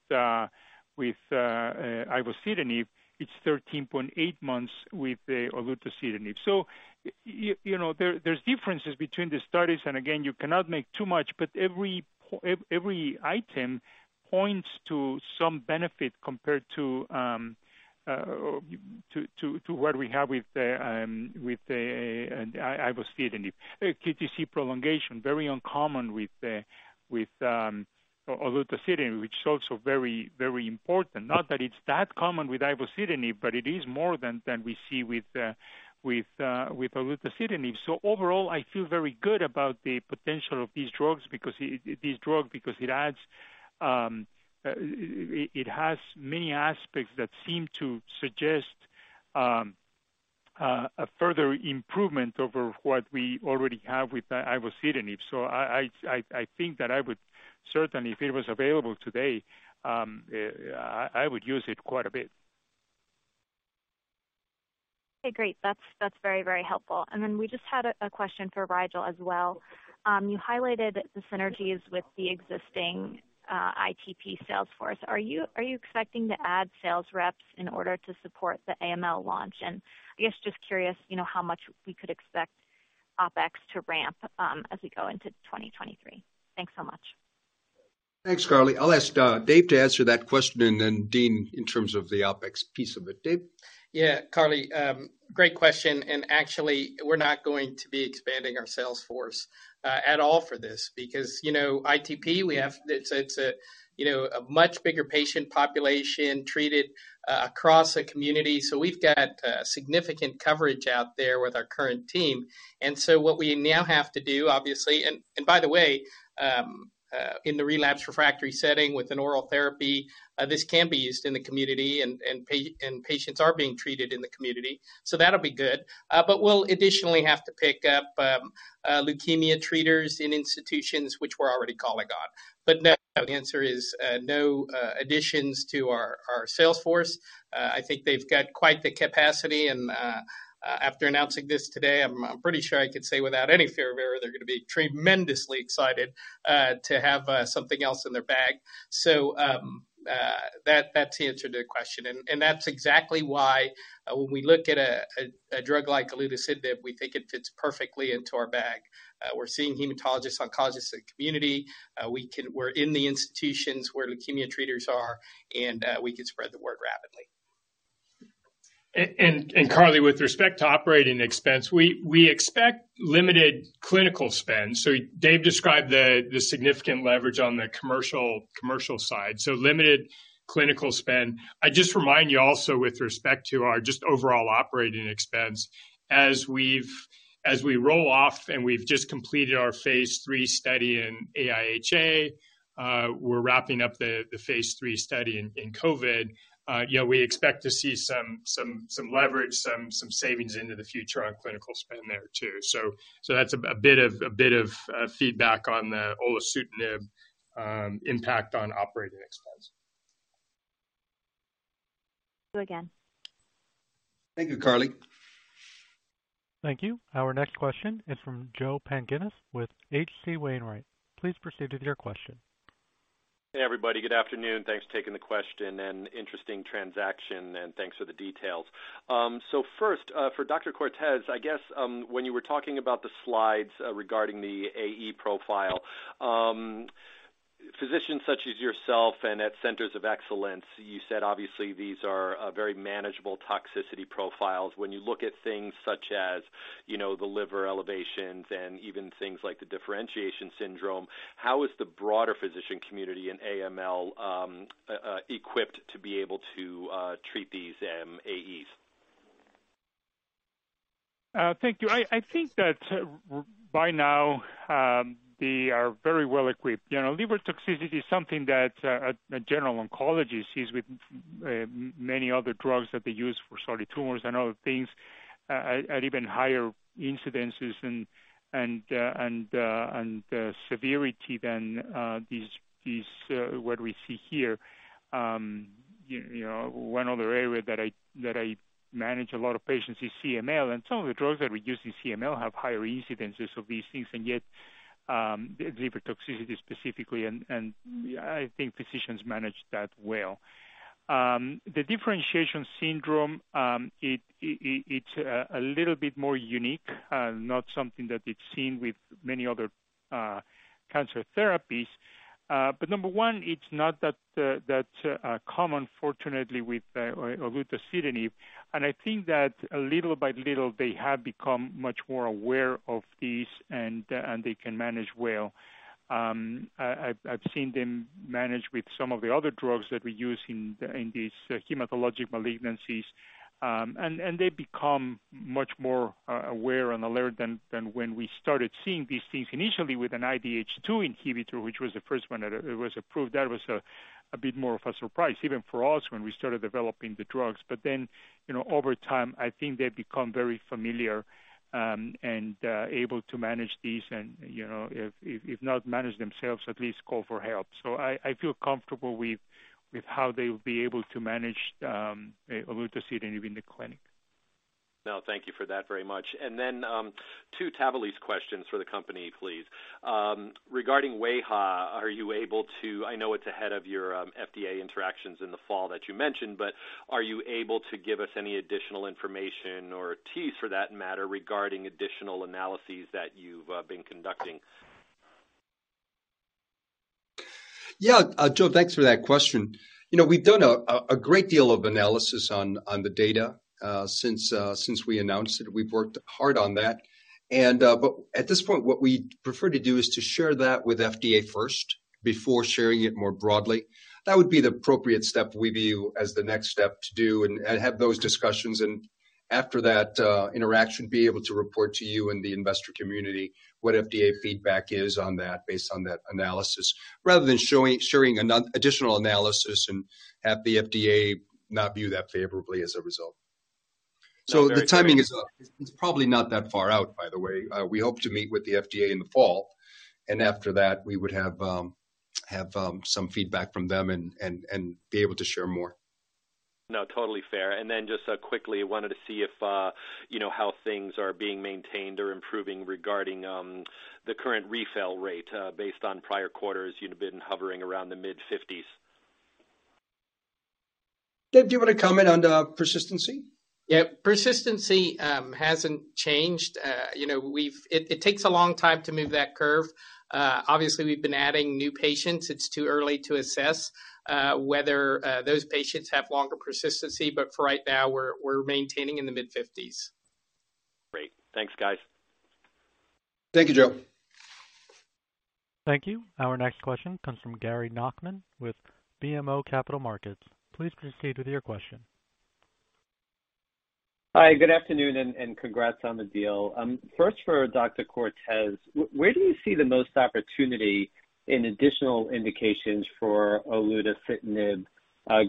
Ivosidenib, it's 13.8 months with the Olutasidenib. You know, there's differences between the studies, and again, you cannot make too much, but every item points to some benefit compared to what we have with the Ivosidenib. QTc prolongation, very uncommon with the Olutasidenib which is also very, very important. Not that it's that common with Ivosidenib, but it is more than we see with Olutasidenib. Overall, I feel very good about the potential of these drugs because it adds it has many aspects that seem to suggest a further improvement over what we already have with Ivosidenib. I think that I would certainly, if it was available today, I would use it quite a bit. Okay, great. That's very helpful. We just had a question for Rigel as well. You highlighted the synergies with the existing ITP sales force. Are you expecting to add sales reps in order to support the AML launch? I guess just curious, you know, how much we could expect OpEx to ramp as we go into 2023. Thanks so much. Thanks, Carly. I'll ask Dave to answer that question and then Dean in terms of the OpEx piece of it. Dave? Yeah. Carly, great question. Actually, we're not going to be expanding our sales force at all for this because, you know, ITP, we have. It's a much bigger patient population treated across a community. We've got significant coverage out there with our current team. What we now have to do, obviously, and by the way, in the relapsed refractory setting with an oral therapy, this can be used in the community and patients are being treated in the community. That'll be good. But we'll additionally have to pick up leukemia treaters in institutions which we're already calling on. No, the answer is no additions to our sales force. I think they've got quite the capacity and after announcing this today, I'm pretty sure I could say without any fear of error, they're gonna be tremendously excited to have something else in their bag. That's the answer to the question. That's exactly why when we look at a drug like Olutasidenib, we think it fits perfectly into our bag. We're seeing hematologists, oncologists in the community. We're in the institutions where leukemia treaters are, and we can spread the word rapidly. Carly, with respect to operating expense, we expect limited clinical spend. Dave described the significant leverage on the commercial side, so limited clinical spend. I'd just remind you also with respect to our overall operating expense, as we roll off and we've just completed our phase III study in AIHA, we're wrapping up the phase III study in COVID. You know, we expect to see some leverage, some savings into the future on clinical spend there too. That's a bit of feedback on the olutasidenib impact on operating expense. You again. Thank you, Carly. Thank you. Our next question is from Joe Pantginis with H.C. Wainwright. Please proceed with your question. Hey, everybody. Good afternoon. Thanks for taking the question and interesting transaction, and thanks for the details. So first, for Dr. Cortes, I guess, when you were talking about the slides, regarding the AE profile, physicians such as yourself and at centers of excellence, you said obviously these are very manageable toxicity profiles. When you look at things such as, you know, the liver elevations and even things like the differentiation syndrome, how is the broader physician community in AML equipped to be able to treat these AEs? Thank you. I think that by now, they are very well equipped. You know, liver toxicity is something that a general oncologist sees with many other drugs that they use for solid tumors and other things, at even higher incidences and severity than what we see here. You know, one other area that I manage a lot of patients is CML, and some of the drugs that we use in CML have higher incidences of these things, and yet, liver toxicity specifically, and I think physicians manage that well. The differentiation syndrome, it's a little bit more unique, not something that is seen with many other cancer therapies. Number one, it's not that common fortunately with Olutasidenib, and I think that little by little, they have become much more aware of this and they can manage well. I've seen them manage with some of the other drugs that we use in these hematologic malignancies. They become much more aware and alert than when we started seeing these things initially with an IDH2 inhibitor, which was the first one that it was approved. That was a bit more of a surprise, even for us when we started developing the drugs. You know, over time, I think they've become very familiar, and able to manage these. You know, if not manage themselves, at least call for help. I feel comfortable with how they will be able to manage Olutasidenib in the clinic. No, thank you for that very much. Two Tavalisse questions for the company, please. Regarding wAIHA, are you able to? I know it's ahead of your FDA interactions in the fall that you mentioned, but are you able to give us any additional information or tease, for that matter, regarding additional analyses that you've been conducting? Yeah, Joe, thanks for that question. You know, we've done a great deal of analysis on the data since we announced it. We've worked hard on that. But at this point, what we'd prefer to do is to share that with FDA first before sharing it more broadly. That would be the appropriate step we view as the next step to do and have those discussions. After that interaction, be able to report to you and the investor community what FDA feedback is on that based on that analysis, rather than sharing an additional analysis and have the FDA not view that favorably as a result. Very fair. The timing is, it's probably not that far out, by the way. We hope to meet with the FDA in the fall, and after that, we would have some feedback from them and be able to share more. No, totally fair. Then just quickly wanted to see if you know how things are being maintained or improving regarding the current refill rate based on prior quarters you'd have been hovering around the mid-50s%. Dave, do you want to comment on the persistency? Yep. Persistency hasn't changed. You know, it takes a long time to move that curve. Obviously, we've been adding new patients. It's too early to assess whether those patients have longer persistency, but for right now, we're maintaining in the mid-fifties. Great. Thanks, guys. Thank you, Joe. Thank you. Our next question comes from Gary Nachman with BMO Capital Markets. Please proceed with your question. Hi, good afternoon and congrats on the deal. First for Dr. Cortes, where do you see the most opportunity in additional indications for Olutasidenib,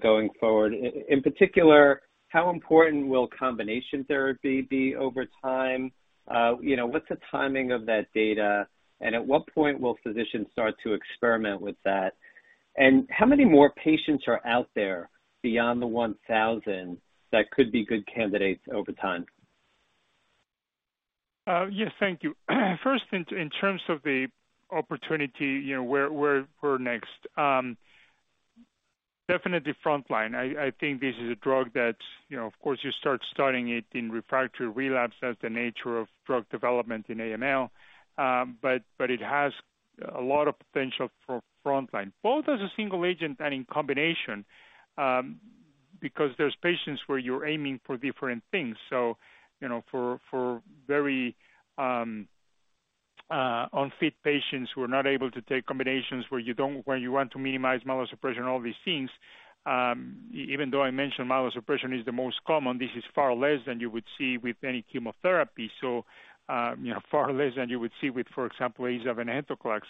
going forward? In particular, how important will combination therapy be over time? You know, what's the timing of that data, and at what point will physicians start to experiment with that? How many more patients are out there beyond the 1,000 that could be good candidates over time? Yes, thank you. First, in terms of the opportunity, you know, where next, definitely frontline. I think this is a drug that, you know, of course you start studying it in refractory relapse. That's the nature of drug development in AML. It has a lot of potential for frontline, both as a single agent and in combination, because there are patients where you are aiming for different things. You know, for very unfit patients who are not able to take combinations, where you want to minimize myelosuppression, all these things. Even though I mentioned myelosuppression is the most common, this is far less than you would see with any chemotherapy. You know, far less than you would see with, for example, azacitidine,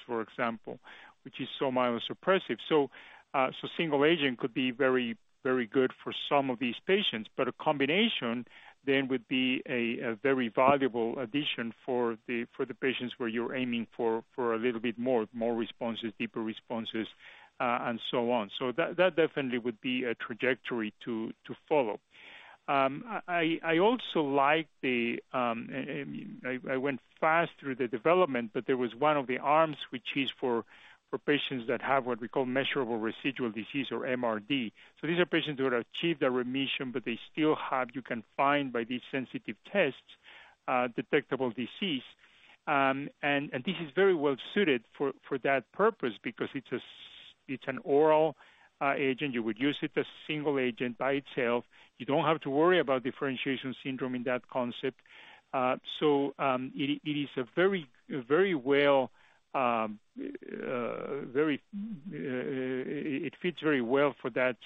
for example, which is so myelosuppressive. Single agent could be very, very good for some of these patients. A combination then would be a very valuable addition for the patients where you're aiming for a little bit more responses, deeper responses, and so on. That definitely would be a trajectory to follow. I also like the. I went fast through the development, but there was one of the arms which is for patients that have what we call measurable residual disease or MRD. These are patients who have achieved a remission, but they still have, you can find by these sensitive tests, detectable disease. This is very well suited for that purpose because it's an oral agent. You would use it as single agent by itself. You don't have to worry about differentiation syndrome in that concept. It fits very well for that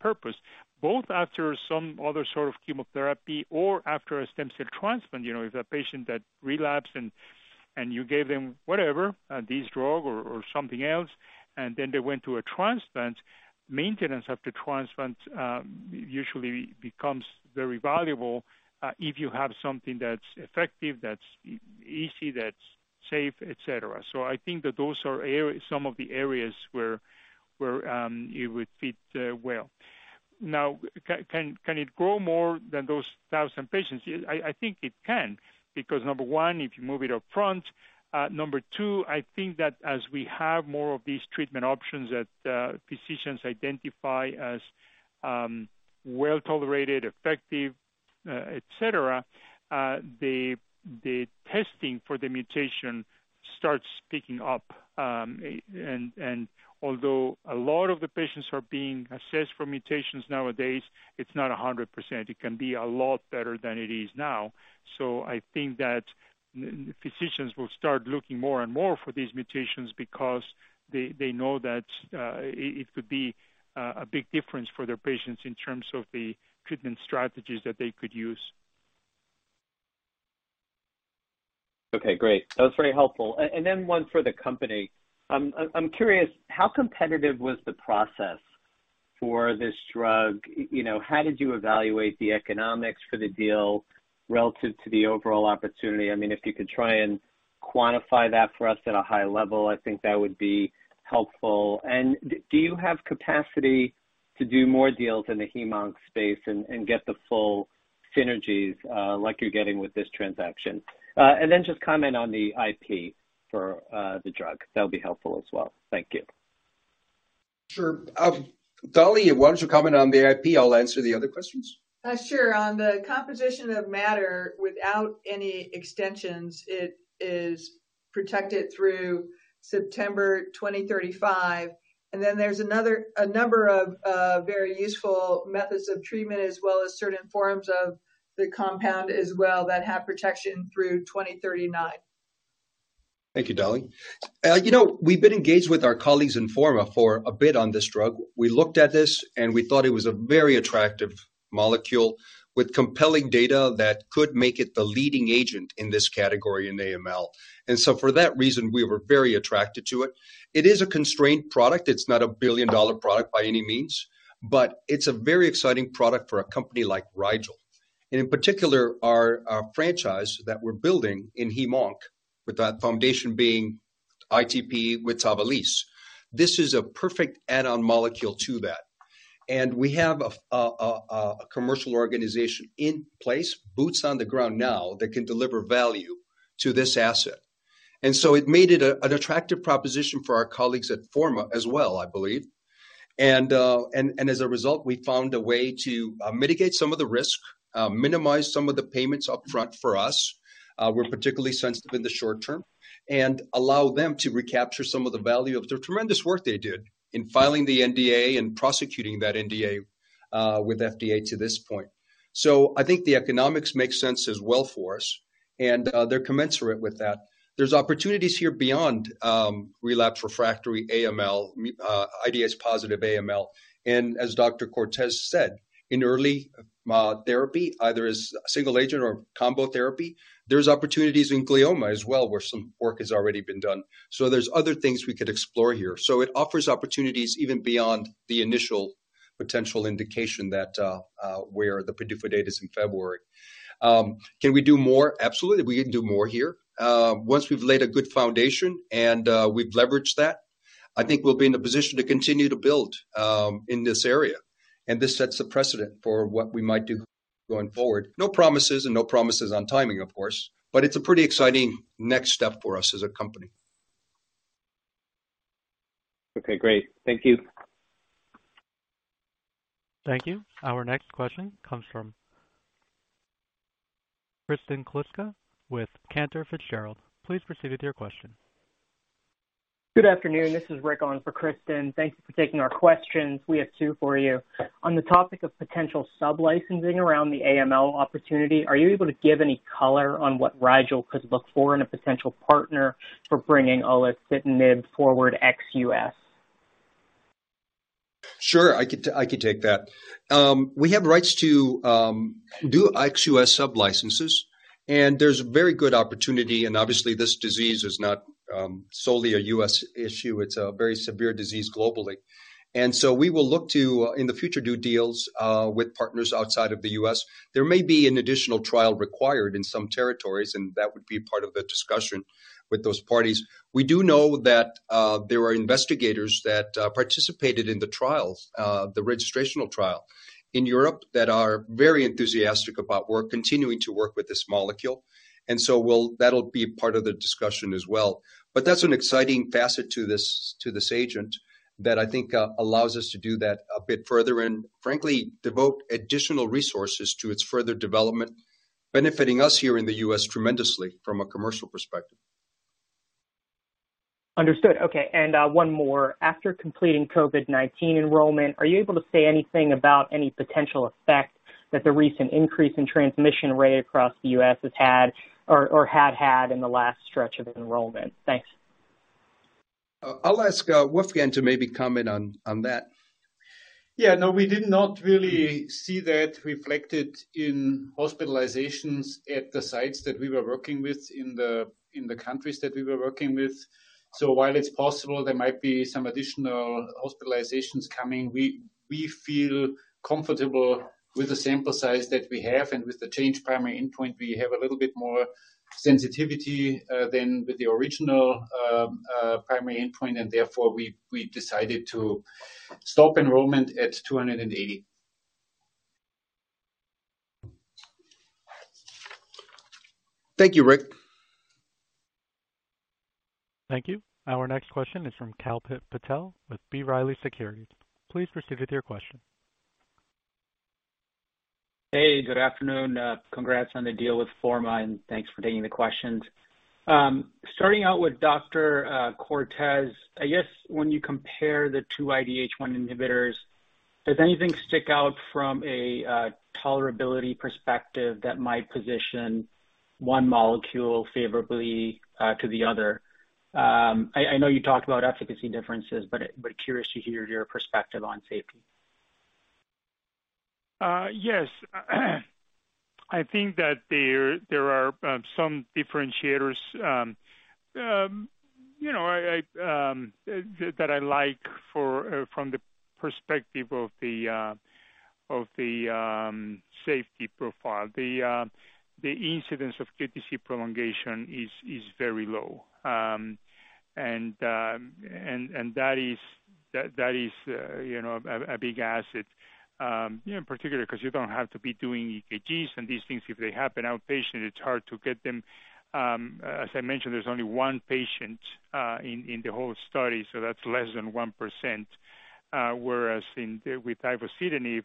purpose, both after some other sort of chemotherapy or after a stem cell transplant. You know, if a patient that relapsed and you gave them whatever, this drug or something else, and then they went to a transplant, maintenance after transplant usually becomes very valuable if you have something that's effective, that's easy, that's safe, etc. I think that those are some of the areas where it would fit well. Now, can it grow more than those 1,000 patients? I think it can, because number one, if you move it up front. Number two, I think that as we have more of these treatment options that physicians identify as well-tolerated, effective. Et cetera, the testing for the mutation starts picking up. Although a lot of the patients are being assessed for mutations nowadays, it's not 100%, it can be a lot better than it is now. I think that physicians will start looking more and more for these mutations because they know that it could be a big difference for their patients in terms of the treatment strategies that they could use. Okay, great. That was very helpful. One for the company. I'm curious how competitive was the process for this drug? You know, how did you evaluate the economics for the deal relative to the overall opportunity? I mean, if you could try and quantify that for us at a high level, I think that would be helpful. Do you have capacity to do more deals in the hem/onc space and get the full synergies like you're getting with this transaction? Just comment on the IP for the drug. That'll be helpful as well. Thank you. Sure. Dolly, why don't you comment on the IP? I'll answer the other questions. Sure. On the composition of matter without any extensions, it is protected through September 2035. There's another, a number of very useful methods of treatment as well as certain forms of the compound as well that have protection through 2039. Thank you, Dolly. You know, we've been engaged with our colleagues in Forma for a bit on this drug. We looked at this, and we thought it was a very attractive molecule with compelling data that could make it the leading agent in this category in AML. For that reason, we were very attracted to it. It is a constrained product. It's not a billion-dollar product by any means, but it's a very exciting product for a company like Rigel. In particular, our franchise that we're building in hem/onc, with that foundation being ITP with Tavalisse. This is a perfect add-on molecule to that. We have a commercial organization in place, boots on the ground now that can deliver value to this asset. It made it an attractive proposition for our colleagues at Forma as well, I believe. As a result, we found a way to mitigate some of the risk, minimize some of the payments up front for us, we're particularly sensitive in the short term, and allow them to recapture some of the value of the tremendous work they did in filing the NDA and prosecuting that NDA with FDA to this point. I think the economics make sense as well for us, and they're commensurate with that. There's opportunities here beyond relapse refractory AML, IDH positive AML. As Dr. Cortes said, in early therapy, either as a single agent or combo therapy, there's opportunities in glioma as well, where some work has already been done. There's other things we could explore here. It offers opportunities even beyond the initial potential indication where the PDUFA date is in February. Can we do more? Absolutely, we can do more here. Once we've laid a good foundation and we've leveraged that, I think we'll be in a position to continue to build in this area. This sets a precedent for what we might do going forward. No promises and no promises on timing, of course, but it's a pretty exciting next step for us as a company. Okay, great. Thank you. Thank you. Our next question comes from Kristen Kluska with Cantor Fitzgerald. Please proceed with your question. Good afternoon. This is Rick on for Kristen. Thank you for taking our questions. We have two for you. On the topic of potential sub-licensing around the AML opportunity, are you able to give any color on what Rigel could look for in a potential partner for bringing Olutasidenib forward ex US? Sure, I could take that. We have rights to do ex-U.S. sub-licenses, and there's very good opportunity, and obviously this disease is not solely a U.S. issue, it's a very severe disease globally. We will look to in the future do deals with partners outside of the U.S. There may be an additional trial required in some territories, and that would be part of the discussion with those parties. We do know that there are investigators that participated in the trials, the registrational trial in Europe that are very enthusiastic about work continuing to work with this molecule. That'll be part of the discussion as well. That's an exciting facet to this agent that I think allows us to do that a bit further and frankly, devote additional resources to its further development, benefiting us here in the U.S. tremendously from a commercial perspective. Understood. Okay, and, one more. After completing COVID-19 enrollment, are you able to say anything about any potential effect that the recent increase in transmission rate across the U.S. has had or had had in the last stretch of enrollment? Thanks. I'll ask Wolfgang to maybe comment on that. Yeah. No, we did not really see that reflected in hospitalizations at the sites that we were working with in the countries that we were working with. While it's possible there might be some additional hospitalizations coming, we feel comfortable with the sample size that we have and with the changed primary endpoint, we have a little bit more sensitivity than with the original primary endpoint, and therefore we decided to stop enrollment at 280. Thank you, Rick. Thank you. Our next question is from Kalpit Patel with B. Riley Securities. Please proceed with your question. Hey, good afternoon. Congrats on the deal with Forma, and thanks for taking the questions. Starting out with Dr. Cortes, I guess when you compare the two IDH1 inhibitors, does anything stick out from a tolerability perspective that might position one molecule favorably to the other? I know you talked about efficacy differences, but curious to hear your perspective on safety. Yes. I think that there are some differentiators you know, that I like from the perspective of the safety profile. The incidence of QTC prolongation is very low. That is, you know, a big asset you know, in particular because you don't have to be doing EKGs and these things, if they happen outpatient, it's hard to get them. As I mentioned, there's only one patient in the whole study, so that's less than 1%. Whereas with Ivosidenib,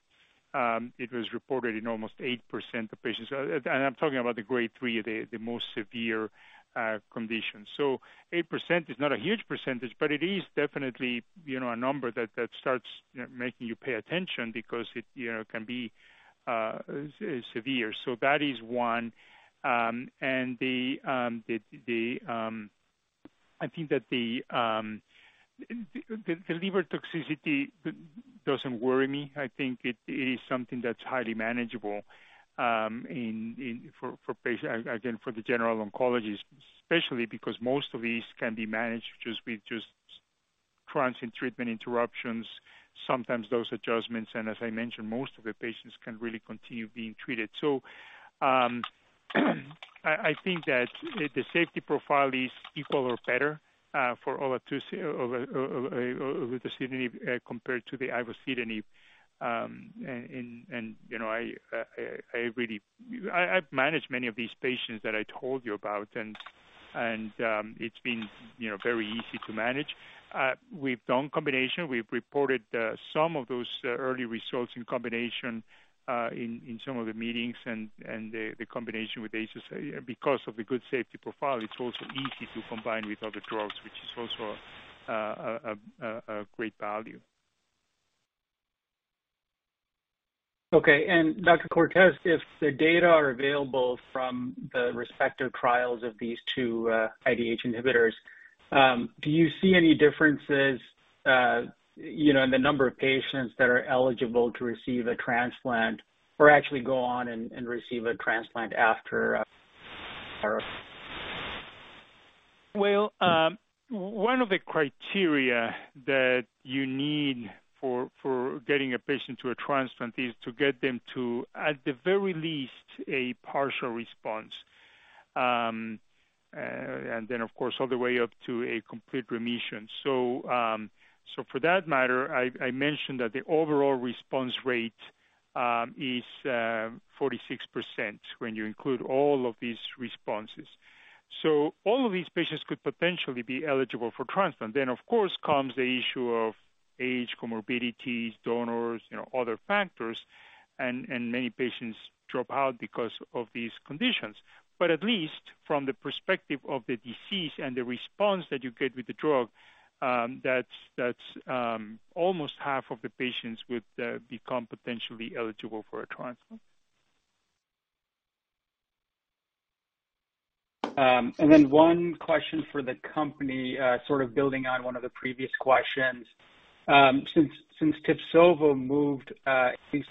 it was reported in almost 8% of patients. I'm talking about the grade 3, the most severe conditions. 8% is not a huge percentage, but it is definitely, you know, a number that starts, you know, making you pay attention because it, you know, can be severe. That is one. I think that the liver toxicity doesn't worry me. I think it is something that's highly manageable in for patients again for the general oncologist, especially because most of these can be managed just with transient treatment interruptions, sometimes those adjustments, and as I mentioned, most of the patients can really continue being treated. I think that the safety profile is equal or better for Olutasidenib compared to the Ivosidenib. I've managed many of these patients that I told you about and it's been, you know, very easy to manage. We've done combination. We've reported some of those early results in combination in some of the meetings and the combination with AZA. Because of the good safety profile, it's also easy to combine with other drugs, which is also a great value. Okay. Dr. Cortes, if the data are available from the respective trials of these two IDH inhibitors, do you see any differences, you know, in the number of patients that are eligible to receive a transplant or actually go on and receive a transplant after? Well, one of the criteria that you need for getting a patient to a transplant is to get them to, at the very least, a partial response. Of course, all the way up to a complete remission. For that matter, I mentioned that the overall response rate is 46% when you include all of these responses. All of these patients could potentially be eligible for transplant. Of course comes the issue of age, comorbidities, donors, you know, other factors, and many patients drop out because of these conditions. At least from the perspective of the disease and the response that you get with the drug, that's almost half of the patients would become potentially eligible for a transplant. One question for the company, sort of building on one of the previous questions. Since Tibsovo moved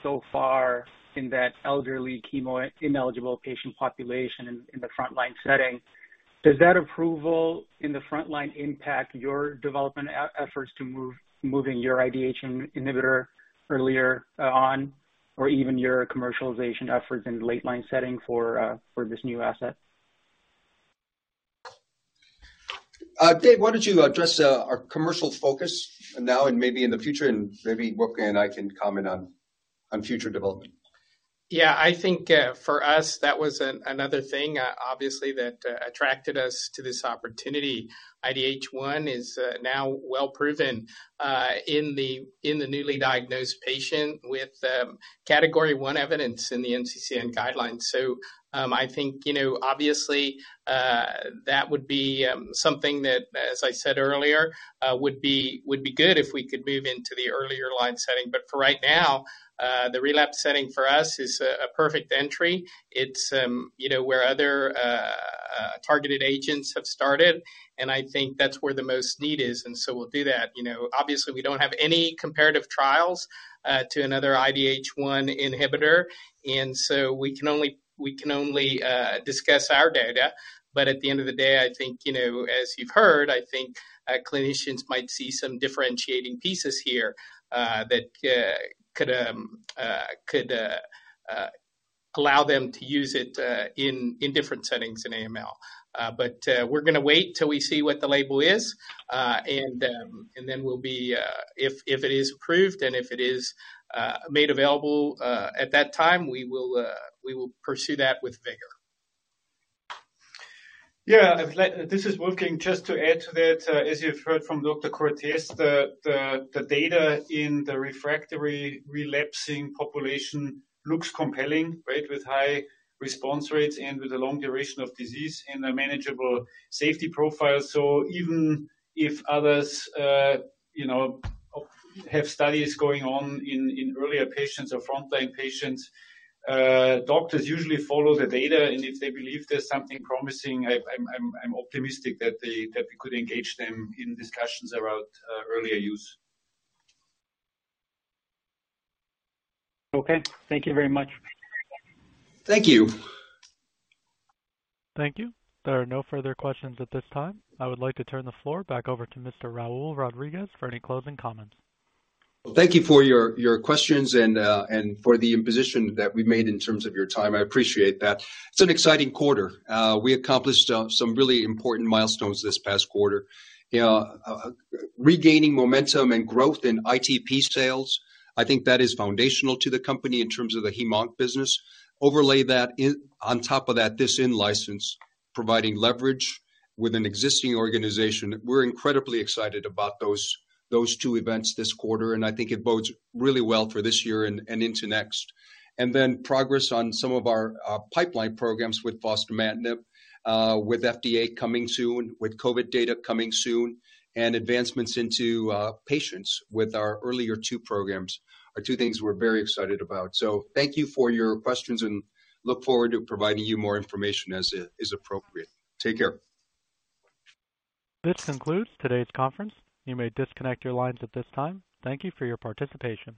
so far in that elderly chemo ineligible patient population in the front-line setting, does that approval in the front line impact your development efforts to move your IDH inhibitor earlier on or even your commercialization efforts in the late line setting for this new asset? Dave, why don't you address our commercial focus now and maybe in the future, and maybe Brooke and I can comment on future development. Yeah. I think, for us, that was another thing, obviously that attracted us to this opportunity. IDH1 is now well proven in the newly diagnosed patient with category one evidence in the NCCN guidelines. I think, you know, obviously, that would be something that, as I said earlier, would be good if we could move into the earlier line setting. For right now, the relapse setting for us is a perfect entry. It's, you know, where other targeted agents have started, and I think that's where the most need is, and so we'll do that. You know, obviously, we don't have any comparative trials to another IDH1 inhibitor, and so we can only discuss our data. At the end of the day, I think, you know, as you've heard, clinicians might see some differentiating pieces here that could allow them to use it in different settings in AML. We're gonna wait till we see what the label is, and then we'll be if it is approved and if it is made available, at that time, we will pursue that with vigor. This is Wolfgang. Just to add to that, as you've heard from Dr. Cortes, the data in the refractory relapsing population looks compelling, right? With high response rates and with a long duration of disease and a manageable safety profile. So even if others, you know, have studies going on in earlier patients or frontline patients, doctors usually follow the data. If they believe there's something promising, I'm optimistic that we could engage them in discussions around earlier use. Okay. Thank you very much. Thank you. Thank you. There are no further questions at this time. I would like to turn the floor back over to Mr. Raul Rodriguez for any closing comments. Thank you for your questions and for the imposition that we made in terms of your time. I appreciate that. It's an exciting quarter. We accomplished some really important milestones this past quarter. You know, regaining momentum and growth in ITP sales, I think that is foundational to the company in terms of the hem/onc business. Overlay that on top of that, this in-license providing leverage with an existing organization. We're incredibly excited about those two events this quarter, and I think it bodes really well for this year and into next. Progress on some of our pipeline programs with fostamatinib, with FDA coming soon, with COVID data coming soon, and advancements into patients with our earlier two programs are two things we're very excited about. Thank you for your questions, and look forward to providing you more information as is appropriate. Take care. This concludes today's conference. You may disconnect your lines at this time. Thank you for your participation.